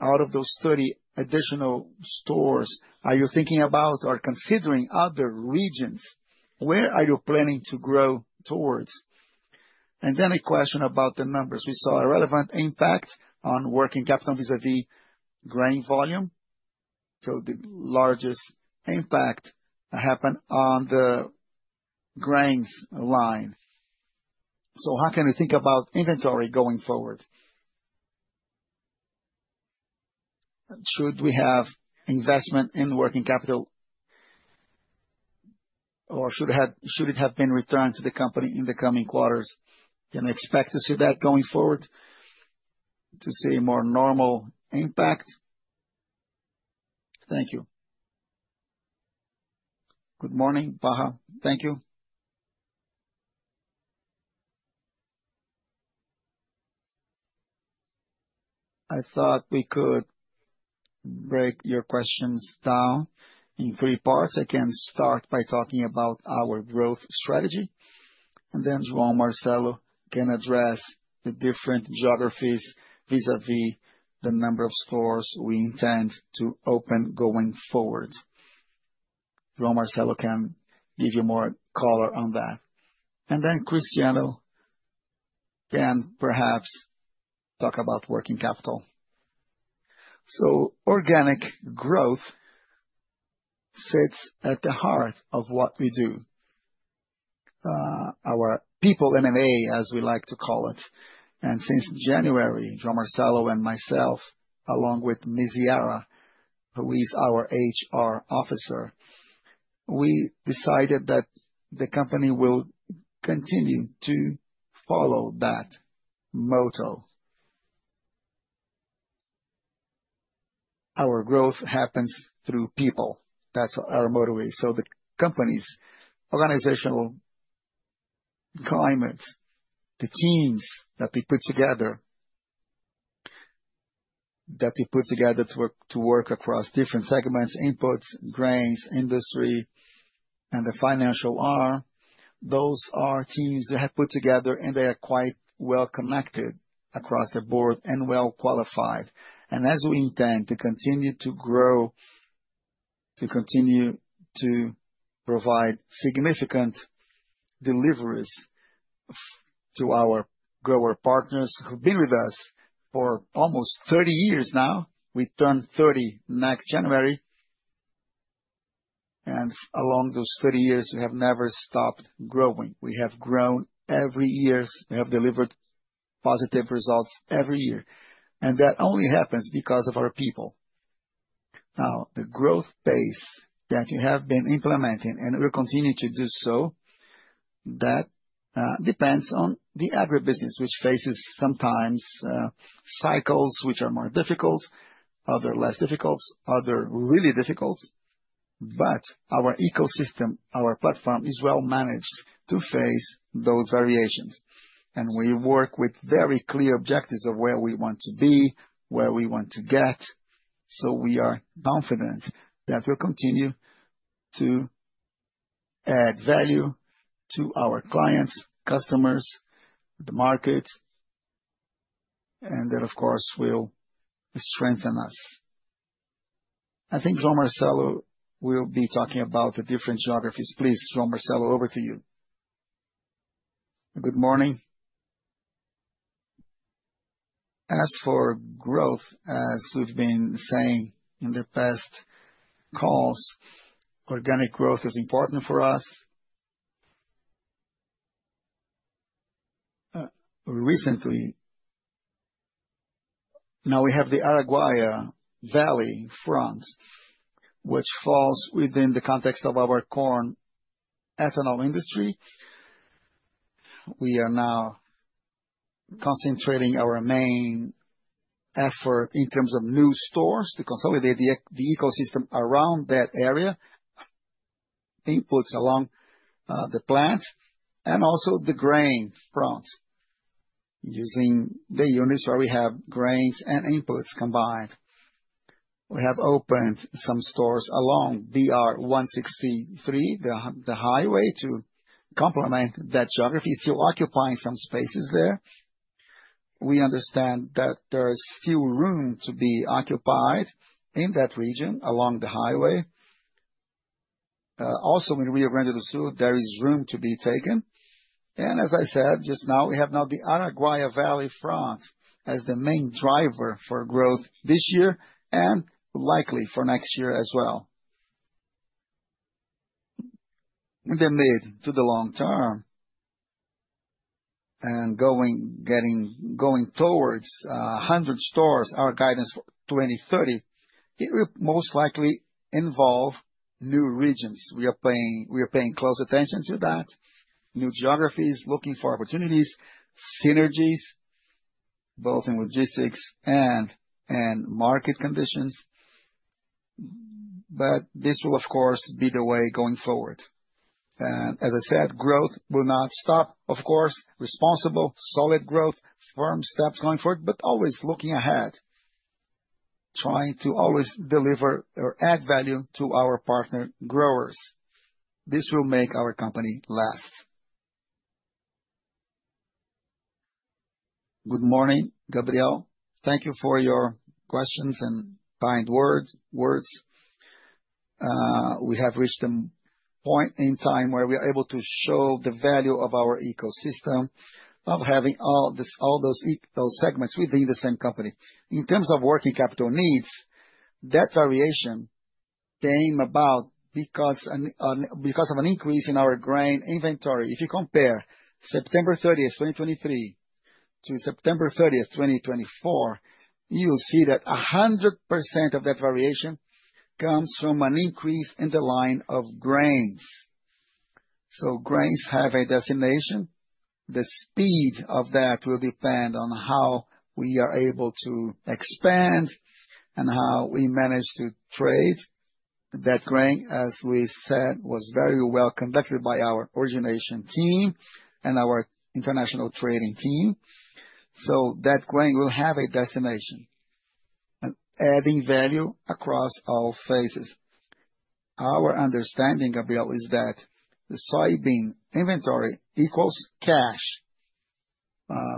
out of those 30 additional stores, are you thinking about or considering other regions? Where are you planning to grow towards? And then a question about the numbers. We saw a relevant impact on working capital vis-à-vis grain volume. So the largest impact happened on the grains line. So how can we think about inventory going forward? Should we have investment in working capital, or should it have been returned to the company in the coming quarters? Can we expect to see that going forward, to see a more normal impact? Thank you. Good morning, Barra. Thank you. I thought we could break your questions down in three parts. I can start by talking about our growth strategy, and then João Marcelo can address the different geographies vis-à-vis the number of stores we intend to open going forward. João Marcelo can give you more color on that, and then Cristiano can perhaps talk about working capital, so organic growth sits at the heart of what we do, our people M&A, as we like to call it, and since January, João Marcelo and myself, along with Meziara, who is our HR officer, we decided that the company will continue to follow that motto. Our growth happens through people. That's our motto, so the company's organizational climate, the teams that we put together to work across different segments, inputs, grains, industry, and the financial arm, those are teams that have put together, and they are quite well connected across the board and well qualified. As we intend to continue to grow, to continue to provide significant deliveries to our grower partners who've been with us for almost 30 years now, we turn 30 next January, and along those 30 years, we have never stopped growing. We have grown every year. We have delivered positive results every year, and that only happens because of our people. Now, the growth pace that you have been implementing, and we'll continue to do so, depends on the agribusiness, which faces sometimes cycles which are more difficult, other less difficult, other really difficult, but our ecosystem, our platform is well managed to face those variations. We work with very clear objectives of where we want to be, where we want to get, so we are confident that we'll continue to add value to our clients, customers, the market, and that, of course, will strengthen us. I think João Marcelo will be talking about the different geographies. Please, João Marcelo, over to you. Good morning. As for growth, as we've been saying in the past calls, organic growth is important for us. Recently, now we have the Araguaia Valley front, which falls within the context of our corn ethanol industry. We are now concentrating our main effort in terms of new stores to consolidate the ecosystem around that area, inputs along the plants, and also the grain front, using the units where we have grains and inputs combined. We have opened some stores along BR-163, the highway, to complement that geography. It's still occupying some spaces there. We understand that there is still room to be occupied in that region along the highway. Also, in Rio Grande do Sul, there is room to be taken. And as I said, just now, we have now the Araguaia Valley front as the main driver for growth this year and likely for next year as well. In the mid to the long term, and going towards 100 stores, our guidance for 2030, it will most likely involve new regions. We are paying close attention to that, new geographies, looking for opportunities, synergies, both in logistics and market conditions. But this will, of course, be the way going forward. And as I said, growth will not stop, of course. Responsible, solid growth, firm steps going forward, but always looking ahead, trying to always deliver or add value to our partner growers. This will make our company last. Good morning, Gabriel. Thank you for your questions and kind words. We have reached a point in time where we are able to show the value of our ecosystem of having all those segments within the same company. In terms of working capital needs, that variation came about because of an increase in our grain inventory. If you compare September 30th, 2023, to September 30th, 2024, you'll see that 100% of that variation comes from an increase in the line of grains. So grains have a destination. The speed of that will depend on how we are able to expand and how we manage to trade. That grain, as we said, was very well conducted by our origination team and our international trading team. So that grain will have a destination, adding value across all phases. Our understanding, Gabriel, is that the soybean inventory equals cash.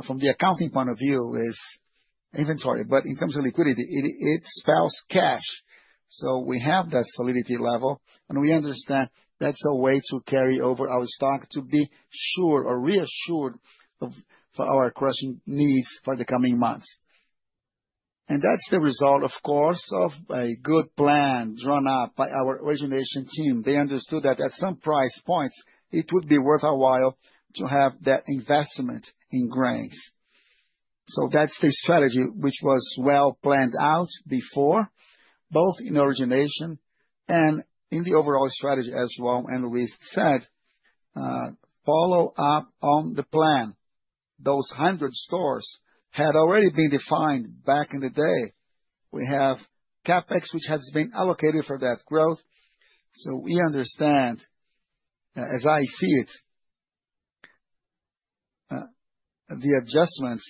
From the accounting point of view, it's inventory, but in terms of liquidity, it spells cash, so we have that solidity level, and we understand that's a way to carry over our stock to be sure or reassured for our crushing needs for the coming months, and that's the result, of course, of a good plan drawn up by our origination team. They understood that at some price points, it would be worth a while to have that investment in grains, so that's the strategy, which was well planned out before, both in origination and in the overall strategy, as João and Luiz said, follow up on the plan. Those 100 stores had already been defined back in the day. We have CapEx, which has been allocated for that growth, so we understand, as I see it, the adjustments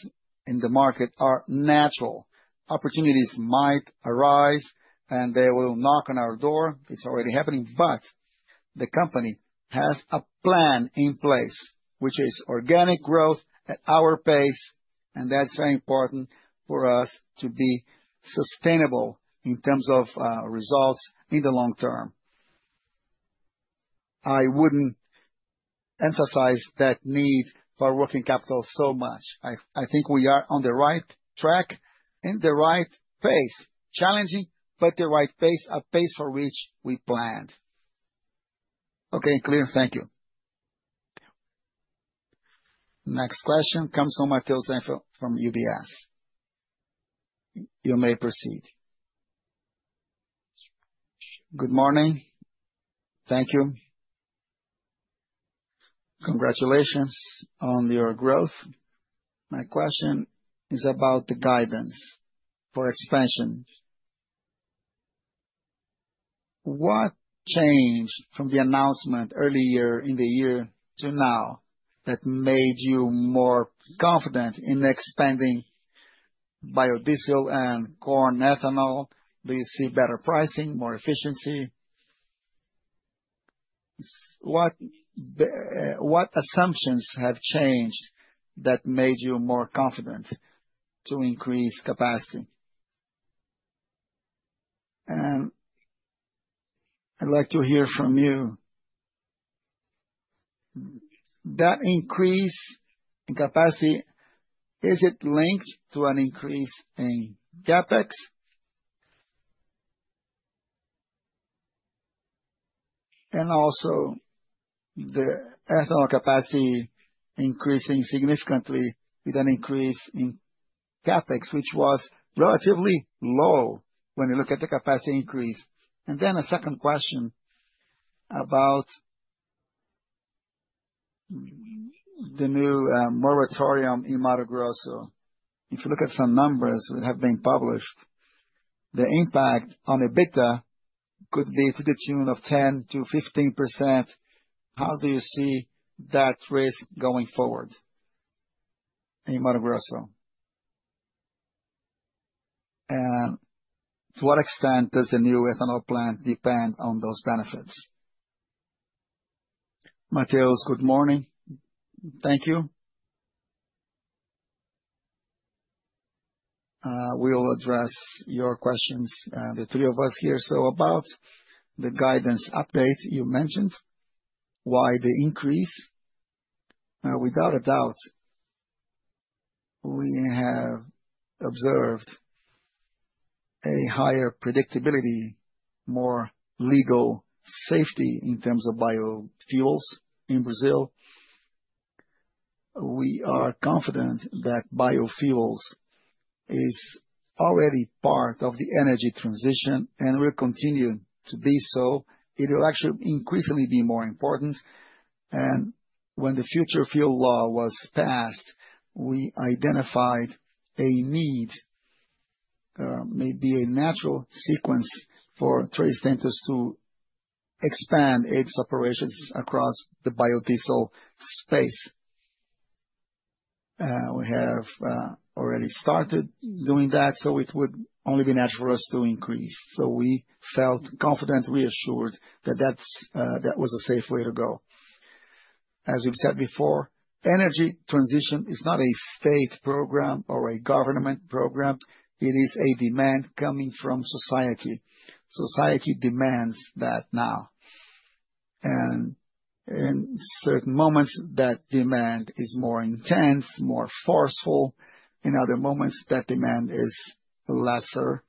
in the market are natural. Opportunities might arise, and they will knock on our door. It's already happening, but the company has a plan in place, which is organic growth at our pace. And that's very important for us to be sustainable in terms of results in the long term. I wouldn't emphasize that need for working capital so much. I think we are on the right track in the right pace, challenging, but the right pace, a pace for which we planned. Okay, clear. Thank you. Next question comes from Matheus from UBS. You may proceed. Good morning. Thank you. Congratulations on your growth. My question is about the guidance for expansion. What changed from the announcement earlier in the year to now that made you more confident in expanding biodiesel and corn ethanol? Do you see better pricing, more efficiency? What assumptions have changed that made you more confident to increase capacity? I'd like to hear from you. That increase in capacity, is it linked to an increase in CapEx? The ethanol capacity increasing significantly with an increase in CapEx, which was relatively low when you look at the capacity increase. And then the second question about the new moratorium in Mato Grosso. If you look at some numbers that have been published, the impact on EBITDA could be to the tune of 10%-15%. How do you see that risk going forward in Mato Grosso? To what extent does the new ethanol plant depend on those benefits? Matheus, good morning. Thank you. We'll address your questions, the three of us here. About the guidance update you mentioned, why the increase? Without a doubt, we have observed a higher predictability, more legal safety in terms of biofuels in Brazil. We are confident that biofuels is already part of the energy transition, and will continue to be so. It will actually increasingly be more important, and when the Future Fuel law was passed, we identified a need, maybe a natural sequence for Três Tentos to expand its operations across the biodiesel space. We have already started doing that, so it would only be natural for us to increase, so we felt confident, reassured that that was a safe way to go. As we've said before, energy transition is not a state program or a government program. It is a demand coming from society. Society demands that now, and in certain moments, that demand is more intense, more forceful. In other moments, that demand is lesser.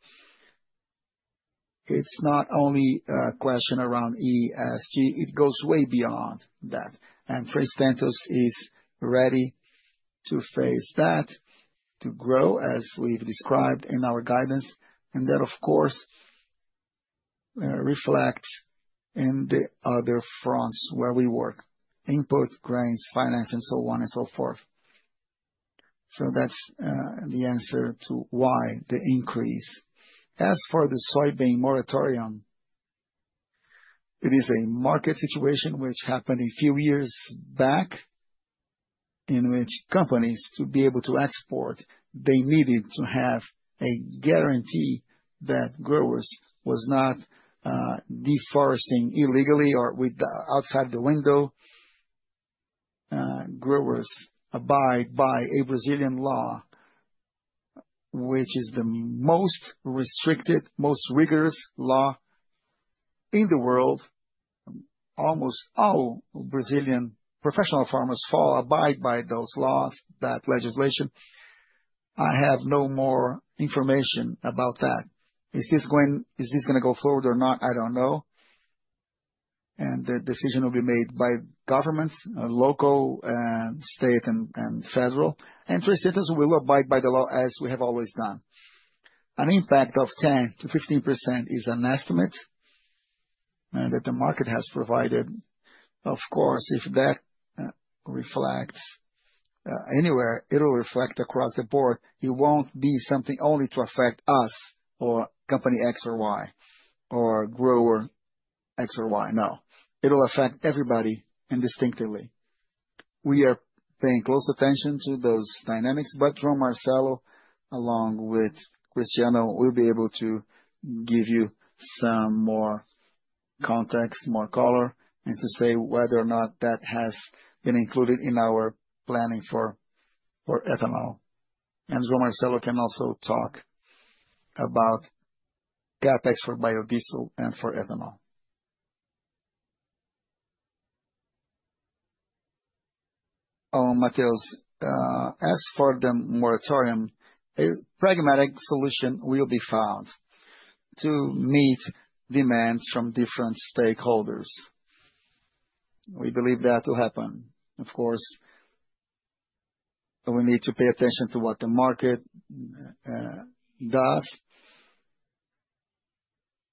It's not only a question around ESG. It goes way beyond that. And 3tentos are ready to face that, to grow, as we've described in our guidance. And that, of course, reflects in the other fronts where we work: input, grains, finance, and so on and so forth. So that's the answer to why the increase. As for the soybean moratorium, it is a market situation which happened a few years back, in which companies, to be able to export, they needed to have a guarantee that growers were not deforesting illegally or outside the window. Growers abide by a Brazilian law, which is the most restricted, most rigorous law in the world. Almost all Brazilian professional farmers abide by those laws, that legislation. I have no more information about that. Is this going to go forward or not? I don't know. And the decision will be made by governments, local, state, and federal. 3tentos will abide by the law, as we have always done. An impact of 10%-15% is an estimate that the market has provided. Of course, if that reflects anywhere, it will reflect across the board. It won't be something only to affect us or company X or Y or grower X or Y. No. It will affect everybody indistinctly. We are paying close attention to those dynamics, but João Marcelo, along with Cristiano, will be able to give you some more context, more color, and to say whether or not that has been included in our planning for ethanol. And João Marcelo can also talk about CapEx for biodiesel and for ethanol. Matheus, as for the moratorium, a pragmatic solution will be found to meet demands from different stakeholders. We believe that will happen. Of course, we need to pay attention to what the market does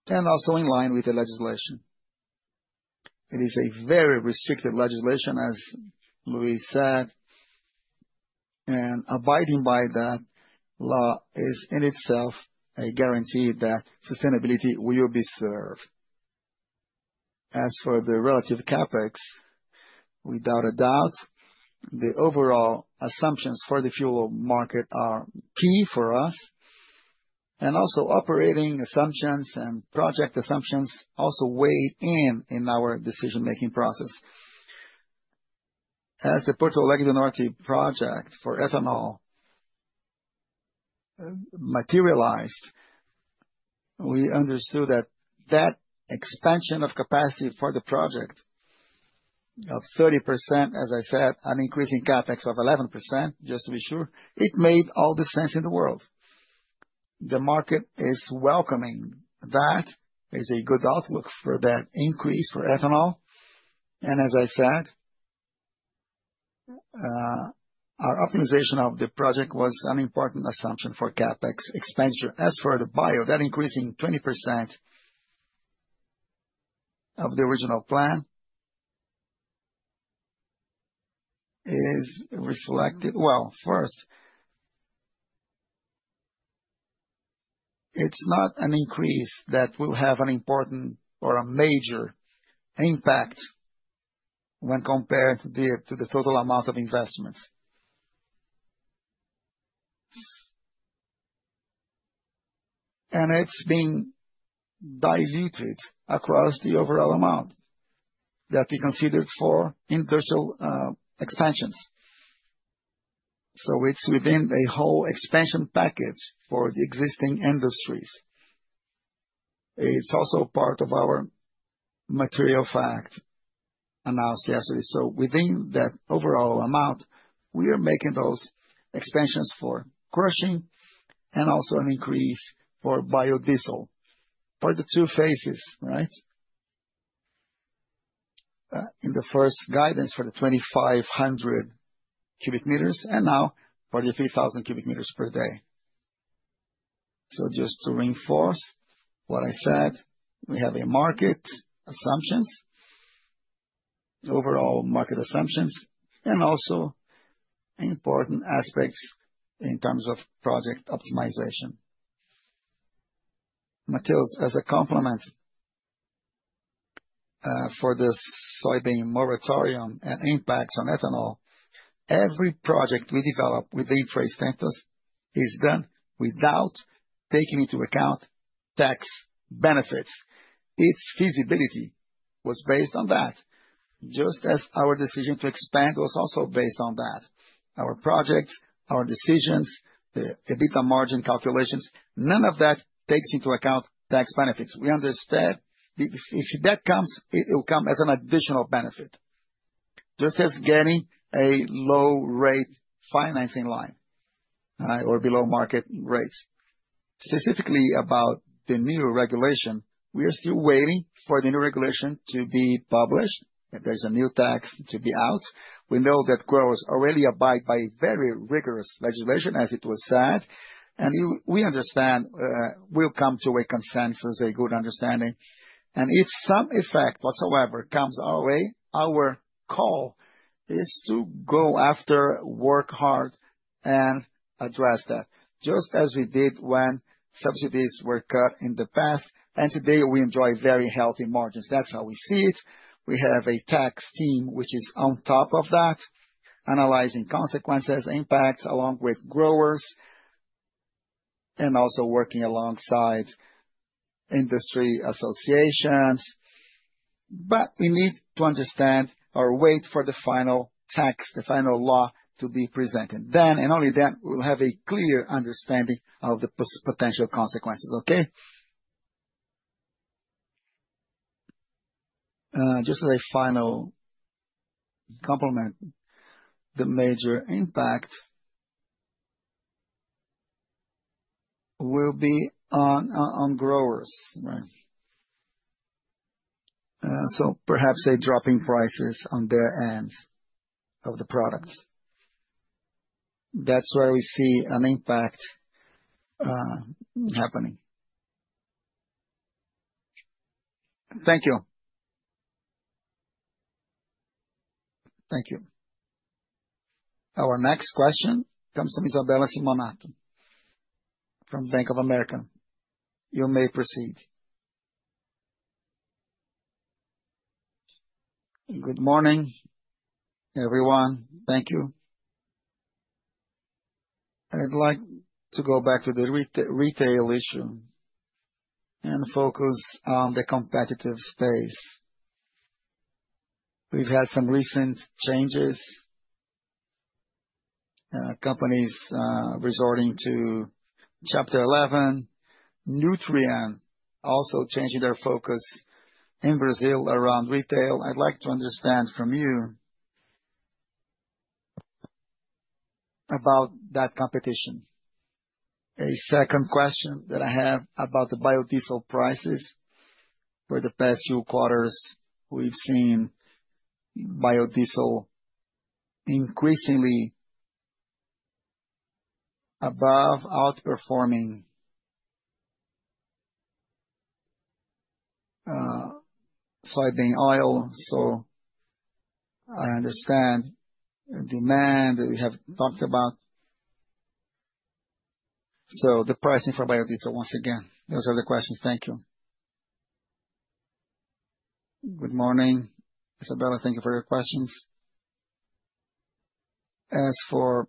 and also in line with the legislation. It is a very restricted legislation, as Luiz said, and abiding by that law is in itself a guarantee that sustainability will be served. As for the relative CAPEX, without a doubt, the overall assumptions for the fuel market are key for us. And also operating assumptions and project assumptions also weigh in our decision-making process. As the Porto Alegre do Norte project for ethanol materialized, we understood that expansion of capacity for the project of 30%, as I said, an increase in CAPEX of 11%, just to be sure, it made all the sense in the world. The market is welcoming that. There's a good outlook for that increase for ethanol. And as I said, our optimization of the project was an important assumption for CAPEX expenditure. As for the bio, that increase in 20% of the original plan is reflected. Well, first, it's not an increase that will have an important or a major impact when compared to the total amount of investments. And it's being diluted across the overall amount that we considered for industrial expansions. So it's within a whole expansion package for the existing industries. It's also part of our material fact announced yesterday. So within that overall amount, we are making those expansions for crushing and also an increase for biodiesel for the two phases, right? In the first guidance for the 2,500 cubic meters and now for the 3,000 cubic meters per day. So just to reinforce what I said, we have a market assumptions, overall market assumptions, and also important aspects in terms of project optimization. Matheus, as a complement for the soybean moratorium and impacts on ethanol, every project we develop within 3tentos is done without taking into account tax benefits. Its feasibility was based on that, just as our decision to expand was also based on that. Our projects, our decisions, the EBITDA margin calculations, none of that takes into account tax benefits. We understand if that comes, it will come as an additional benefit, just as getting a low-rate financing line or below market rates. Specifically about the new regulation, we are still waiting for the new regulation to be published. There's a new tax to be out. We know that growers already abide by very rigorous legislation, as it was said, and we understand we'll come to a consensus, a good understanding. If some effect whatsoever comes our way, our call is to go after, work hard, and address that, just as we did when subsidies were cut in the past. Today, we enjoy very healthy margins. That's how we see it. We have a tax team which is on top of that, analyzing consequences, impacts along with growers, and also working alongside industry associations. We need to understand or wait for the final tax, the final law to be presented. Then, and only then, we'll have a clear understanding of the potential consequences, okay? Just as a final comment, the major impact will be on growers, right? Perhaps a drop in prices on their ends of the products. That's where we see an impact happening. Thank you. Thank you. Our next question comes from Isabella Simonato from Bank of America. You may proceed. Good morning, everyone. Thank you. I'd like to go back to the retail issue and focus on the competitive space. We've had some recent changes, companies resorting to Chapter 11, Nutrien, also changing their focus in Brazil around retail. I'd like to understand from you about that competition. A second question that I have about the biodiesel prices. For the past few quarters, we've seen biodiesel increasingly above outperforming soybean oil. So I understand the demand that we have talked about. So the pricing for biodiesel, once again, those are the questions. Thank you. Good morning, Isabella. Thank you for your questions. As for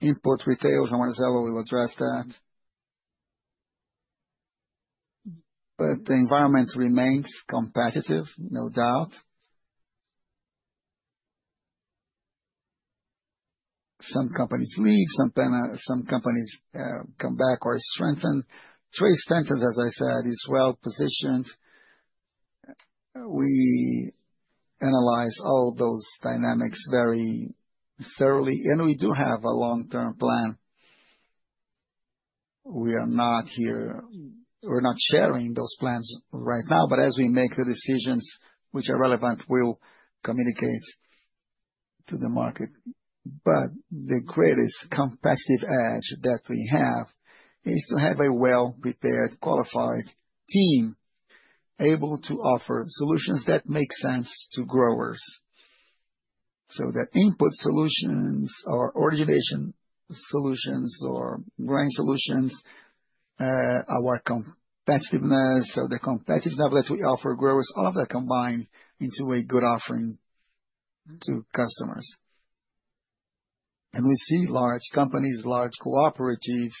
input retail, João Marcelo will address that. But the environment remains competitive, no doubt. Some companies leave, some companies come back or strengthen. 3tentos, as I said, are well positioned. We analyze all those dynamics very thoroughly, and we do have a long-term plan. We are not here. We're not sharing those plans right now, but as we make the decisions which are relevant, we'll communicate to the market. But the greatest competitive edge that we have is to have a well-prepared, qualified team able to offer solutions that make sense to growers. So the input solutions or origination solutions or grain solutions, our competitiveness, so the competitiveness that we offer growers, all of that combined into a good offering to customers. And we see large companies, large cooperatives,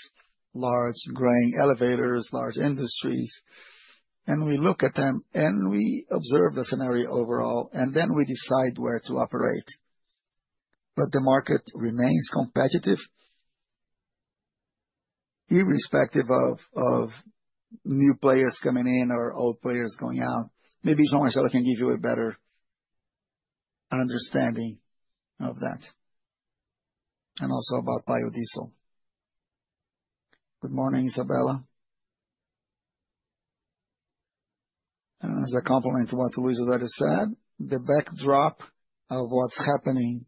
large grain elevators, large industries. And we look at them and we observe the scenario overall, and then we decide where to operate. But the market remains competitive, irrespective of new players coming in or old players going out. Maybe João Marcelo can give you a better understanding of that and also about biodiesel. Good morning, Isabella. As a complement to what Luiz has already said, the backdrop of what's happening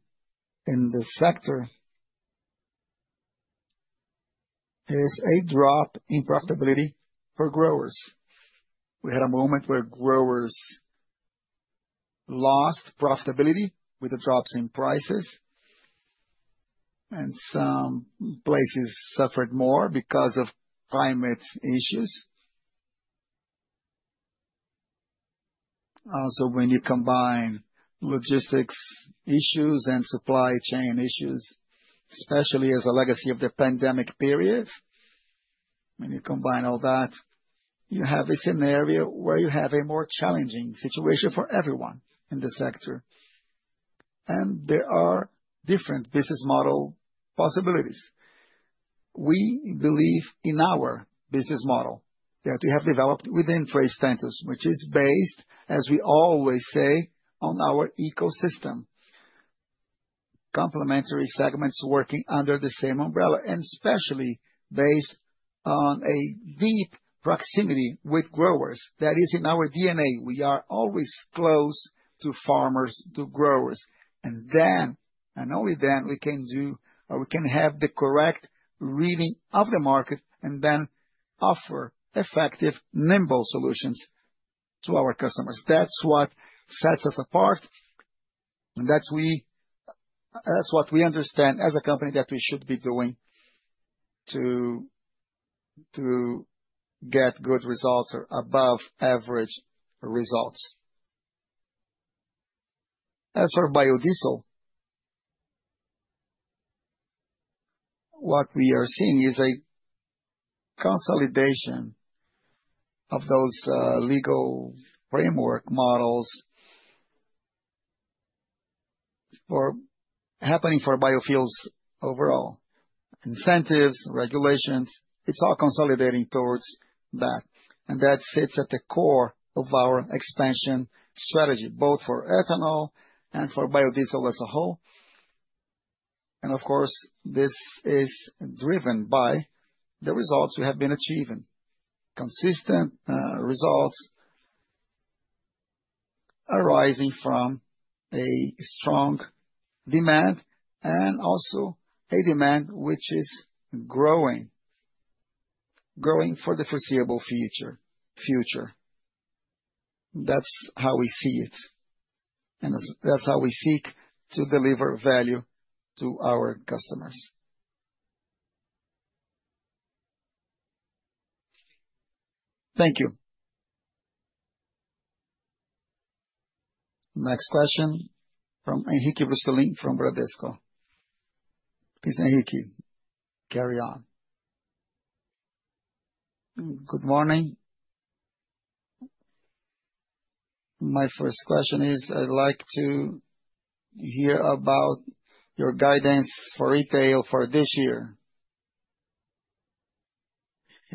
in the sector is a drop in profitability for growers. We had a moment where growers lost profitability with the drops in prices, and some places suffered more because of climate issues. Also, when you combine logistics issues and supply chain issues, especially as a legacy of the pandemic periods, when you combine all that, you have a scenario where you have a more challenging situation for everyone in the sector, and there are different business model possibilities. We believe in our business model that we have developed within 3tentos, which is based, as we always say, on our ecosystem, complementary segments working under the same umbrella, and especially based on a deep proximity with growers. That is in our DNA. We are always close to farmers, to growers. And then, and only then, we can do or we can have the correct reading of the market and then offer effective, nimble solutions to our customers. That's what sets us apart. And that's what we understand as a company that we should be doing to get good results or above-average results. As for biodiesel, what we are seeing is a consolidation of those legal framework models for happening for biofuels overall. Incentives, regulations, it's all consolidating towards that. And that sits at the core of our expansion strategy, both for ethanol and for biodiesel as a whole. And of course, this is driven by the results we have been achieving. Consistent results arising from a strong demand and also a demand which is growing, growing for the foreseeable future. That's how we see it. And that's how we seek to deliver value to our customers. Thank you. Next question from Henrique Brustolin from Bradesco BBI. Please, Henrique, carry on. Good morning. My first question is I'd like to hear about your guidance for retail for this year.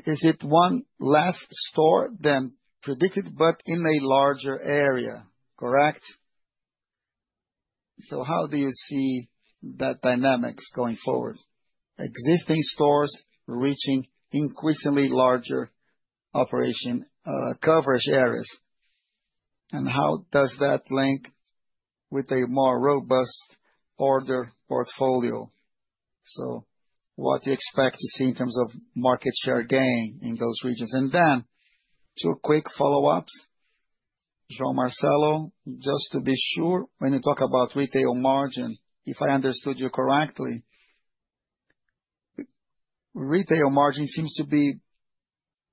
Is it one less store than predicted, but in a larger area, correct? So how do you see that dynamics going forward? Existing stores reaching increasingly larger operation coverage areas. And how does that link with a more robust order portfolio? So what do you expect to see in terms of market share gain in those regions? And then two quick follow-ups. João Marcelo, just to be sure, when you talk about retail margin, if I understood you correctly, retail margin seems to be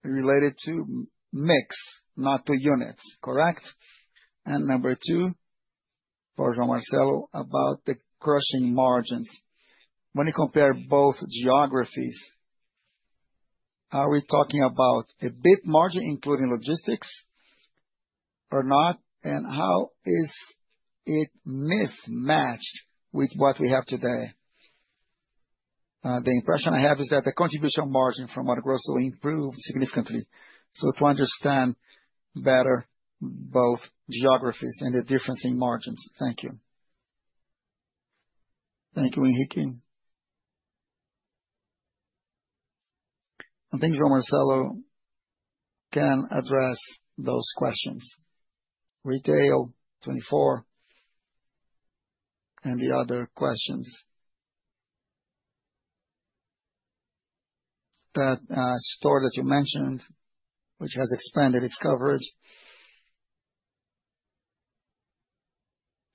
related to mix, not to units, correct? And number two, for João Marcelo, about the crushing margins. When you compare both geographies, are we talking about EBIT margin, including logistics, or not? How is it mismatched with what we have today? The impression I have is that the contribution margin from Mato Grosso will improve significantly. So to understand better both geographies and the difference in margins, thank you. Thank you, Henrique. And I think João Marcelo can address those questions. Retail, 24, and the other questions. That store that you mentioned, which has expanded its coverage.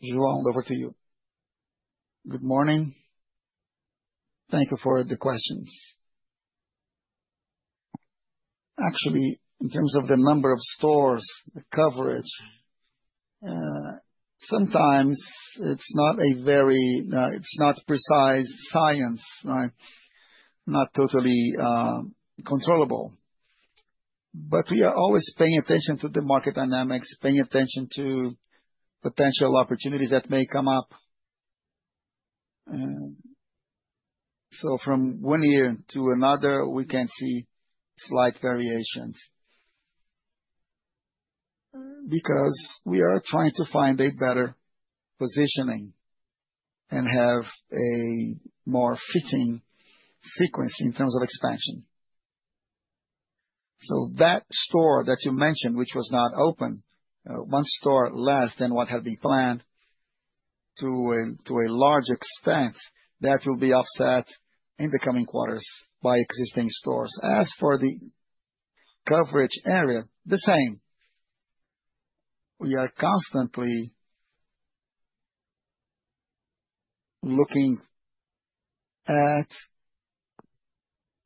João, over to you. Good morning. Thank you for the questions. Actually, in terms of the number of stores, the coverage, sometimes it's not a very, it's not precise science, right? Not totally controllable. But we are always paying attention to the market dynamics, paying attention to potential opportunities that may come up. So from one year to another, we can see slight variations because we are trying to find a better positioning and have a more fitting sequence in terms of expansion. So that store that you mentioned, which was not open, one store less than what had been planned to a large extent, that will be offset in the coming quarters by existing stores. As for the coverage area, the same. We are constantly looking at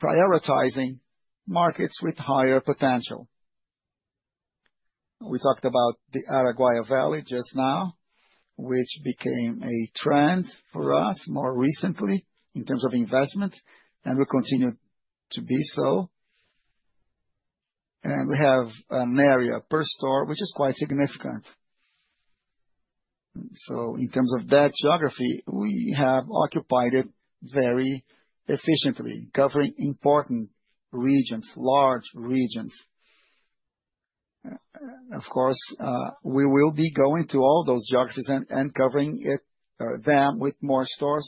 prioritizing markets with higher potential. We talked about the Araguaia Valley just now, which became a trend for us more recently in terms of investment, and will continue to be so. And we have an area per store which is quite significant. So in terms of that geography, we have occupied it very efficiently, covering important regions, large regions. Of course, we will be going to all those geographies and covering them with more stores,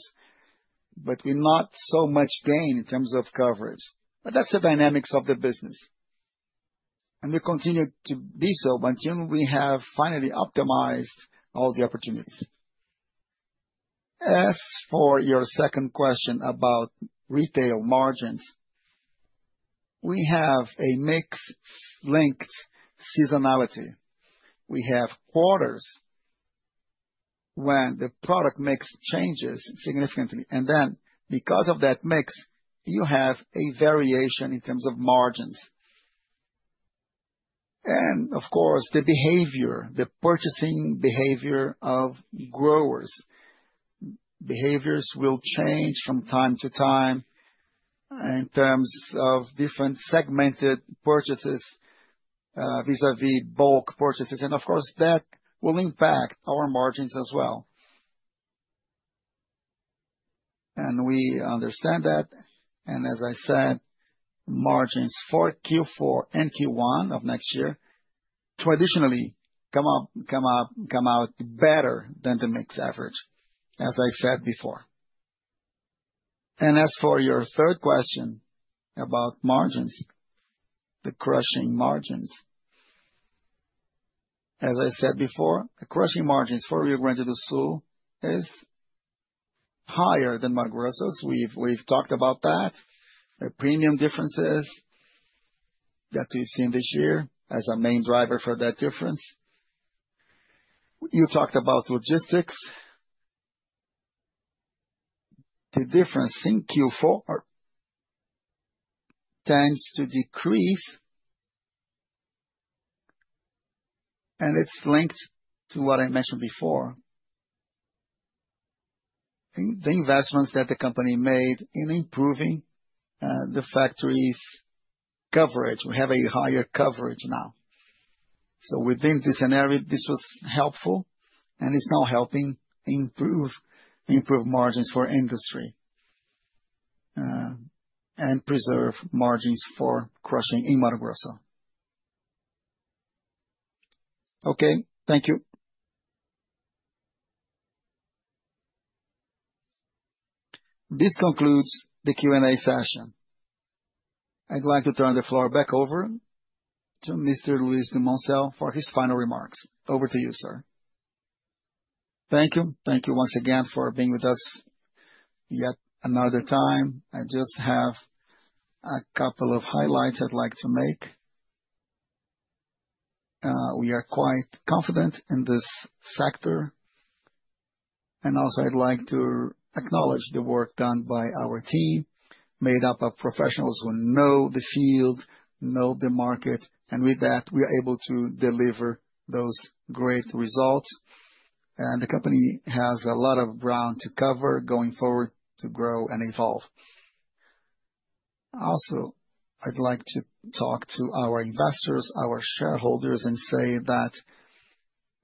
but we're not so much gain in terms of coverage. But that's the dynamics of the business. And we continue to be so until we have finally optimized all the opportunities. As for your second question about retail margins, we have a mix linked seasonality. We have quarters when the product mix changes significantly. And then, because of that mix, you have a variation in terms of margins. And of course, the behavior, the purchasing behavior of growers, behaviors will change from time to time in terms of different segmented purchases vis-à-vis bulk purchases. And of course, that will impact our margins as well. And we understand that. And as I said, margins for Q4 and Q1 of next year traditionally come out better than the mixed average, as I said before. And as for your third question about margins, the crushing margins, as I said before, the crushing margins for Rio Grande do Sul is higher than Mato Grosso's. We've talked about that. The premium differences that we've seen this year as a main driver for that difference. You talked about logistics. The difference in Q4 tends to decrease, and it's linked to what I mentioned before, the investments that the company made in improving the factories' coverage. We have a higher coverage now. So within this scenario, this was helpful, and it's now helping improve margins for industry and preserve margins for crushing in Mato Grosso's. Okay, thank you. This concludes the Q&A session. I'd like to turn the floor back over to Mr. Luiz Dumoncel for his final remarks. Over to you, sir. Thank you. Thank you once again for being with us yet another time. I just have a couple of highlights I'd like to make. We are quite confident in this sector. I would also like to acknowledge the work done by our team, made up of professionals who know the field, know the market. With that, we are able to deliver those great results. The company has a lot of ground to cover going forward to grow and evolve. I would also like to talk to our investors, our shareholders, and say that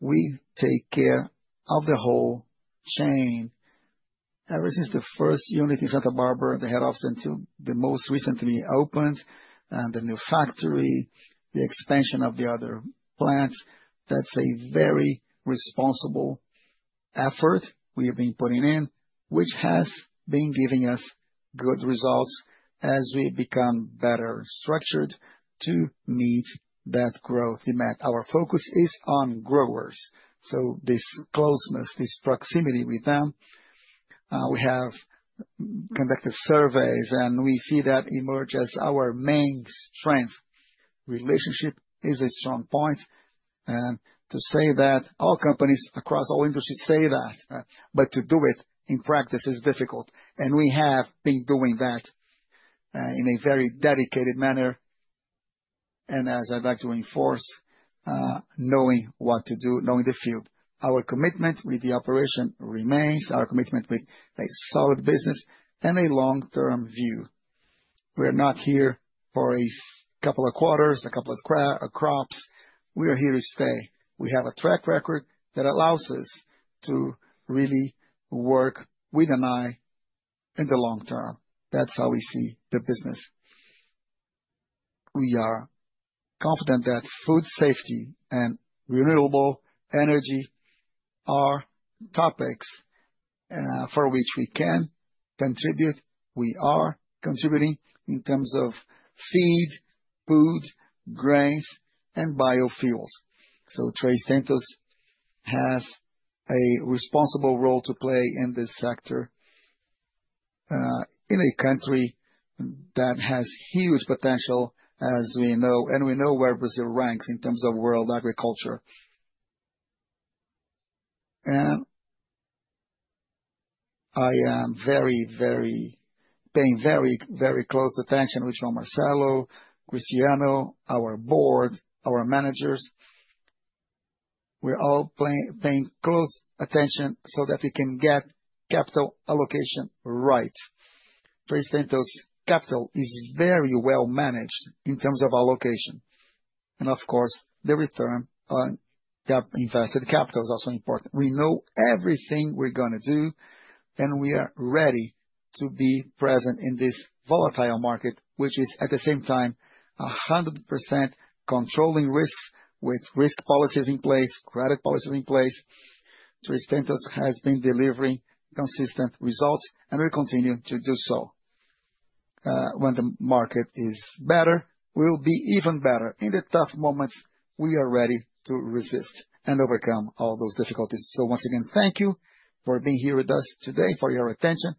we take care of the whole chain ever since the first unit in Santa Bárbara, the head office until the most recently opened and the new factory, the expansion of the other plants. That's a very responsible effort we have been putting in, which has been giving us good results as we become better structured to meet that growth demand. Our focus is on growers. This closeness, this proximity with them. We have conducted surveys, and we see that emerge as our main strength. Relationship is a strong point, and to say that all companies across all industries say that, but to do it in practice is difficult, and we have been doing that in a very dedicated manner, and as I'd like to enforce knowing what to do, knowing the field. Our commitment with the operation remains, our commitment with a solid business and a long-term view. We're not here for a couple of quarters, a couple of crops. We are here to stay. We have a track record that allows us to really work with an eye in the long term. That's how we see the business. We are confident that food safety and renewable energy are topics for which we can contribute. We are contributing in terms of feed, food, grains, and biofuels. 3tentos has a responsible role to play in this sector in a country that has huge potential, as we know, and we know where Brazil ranks in terms of world agriculture. I am paying very close attention with João Marcelo, Cristiano, our board, our managers. We're all paying close attention so that we can get capital allocation right. 3tentos' capital is very well managed in terms of allocation. Of course, the return on invested capital is also important. We know everything we're going to do, and we are ready to be present in this volatile market, which is at the same time 100% controlling risks with risk policies in place, credit policies in place. 3tentos has been delivering consistent results, and we continue to do so. When the market is better, we'll be even better. In the tough moments, we are ready to resist and overcome all those difficulties. So once again, thank you for being here with us today, for your attention.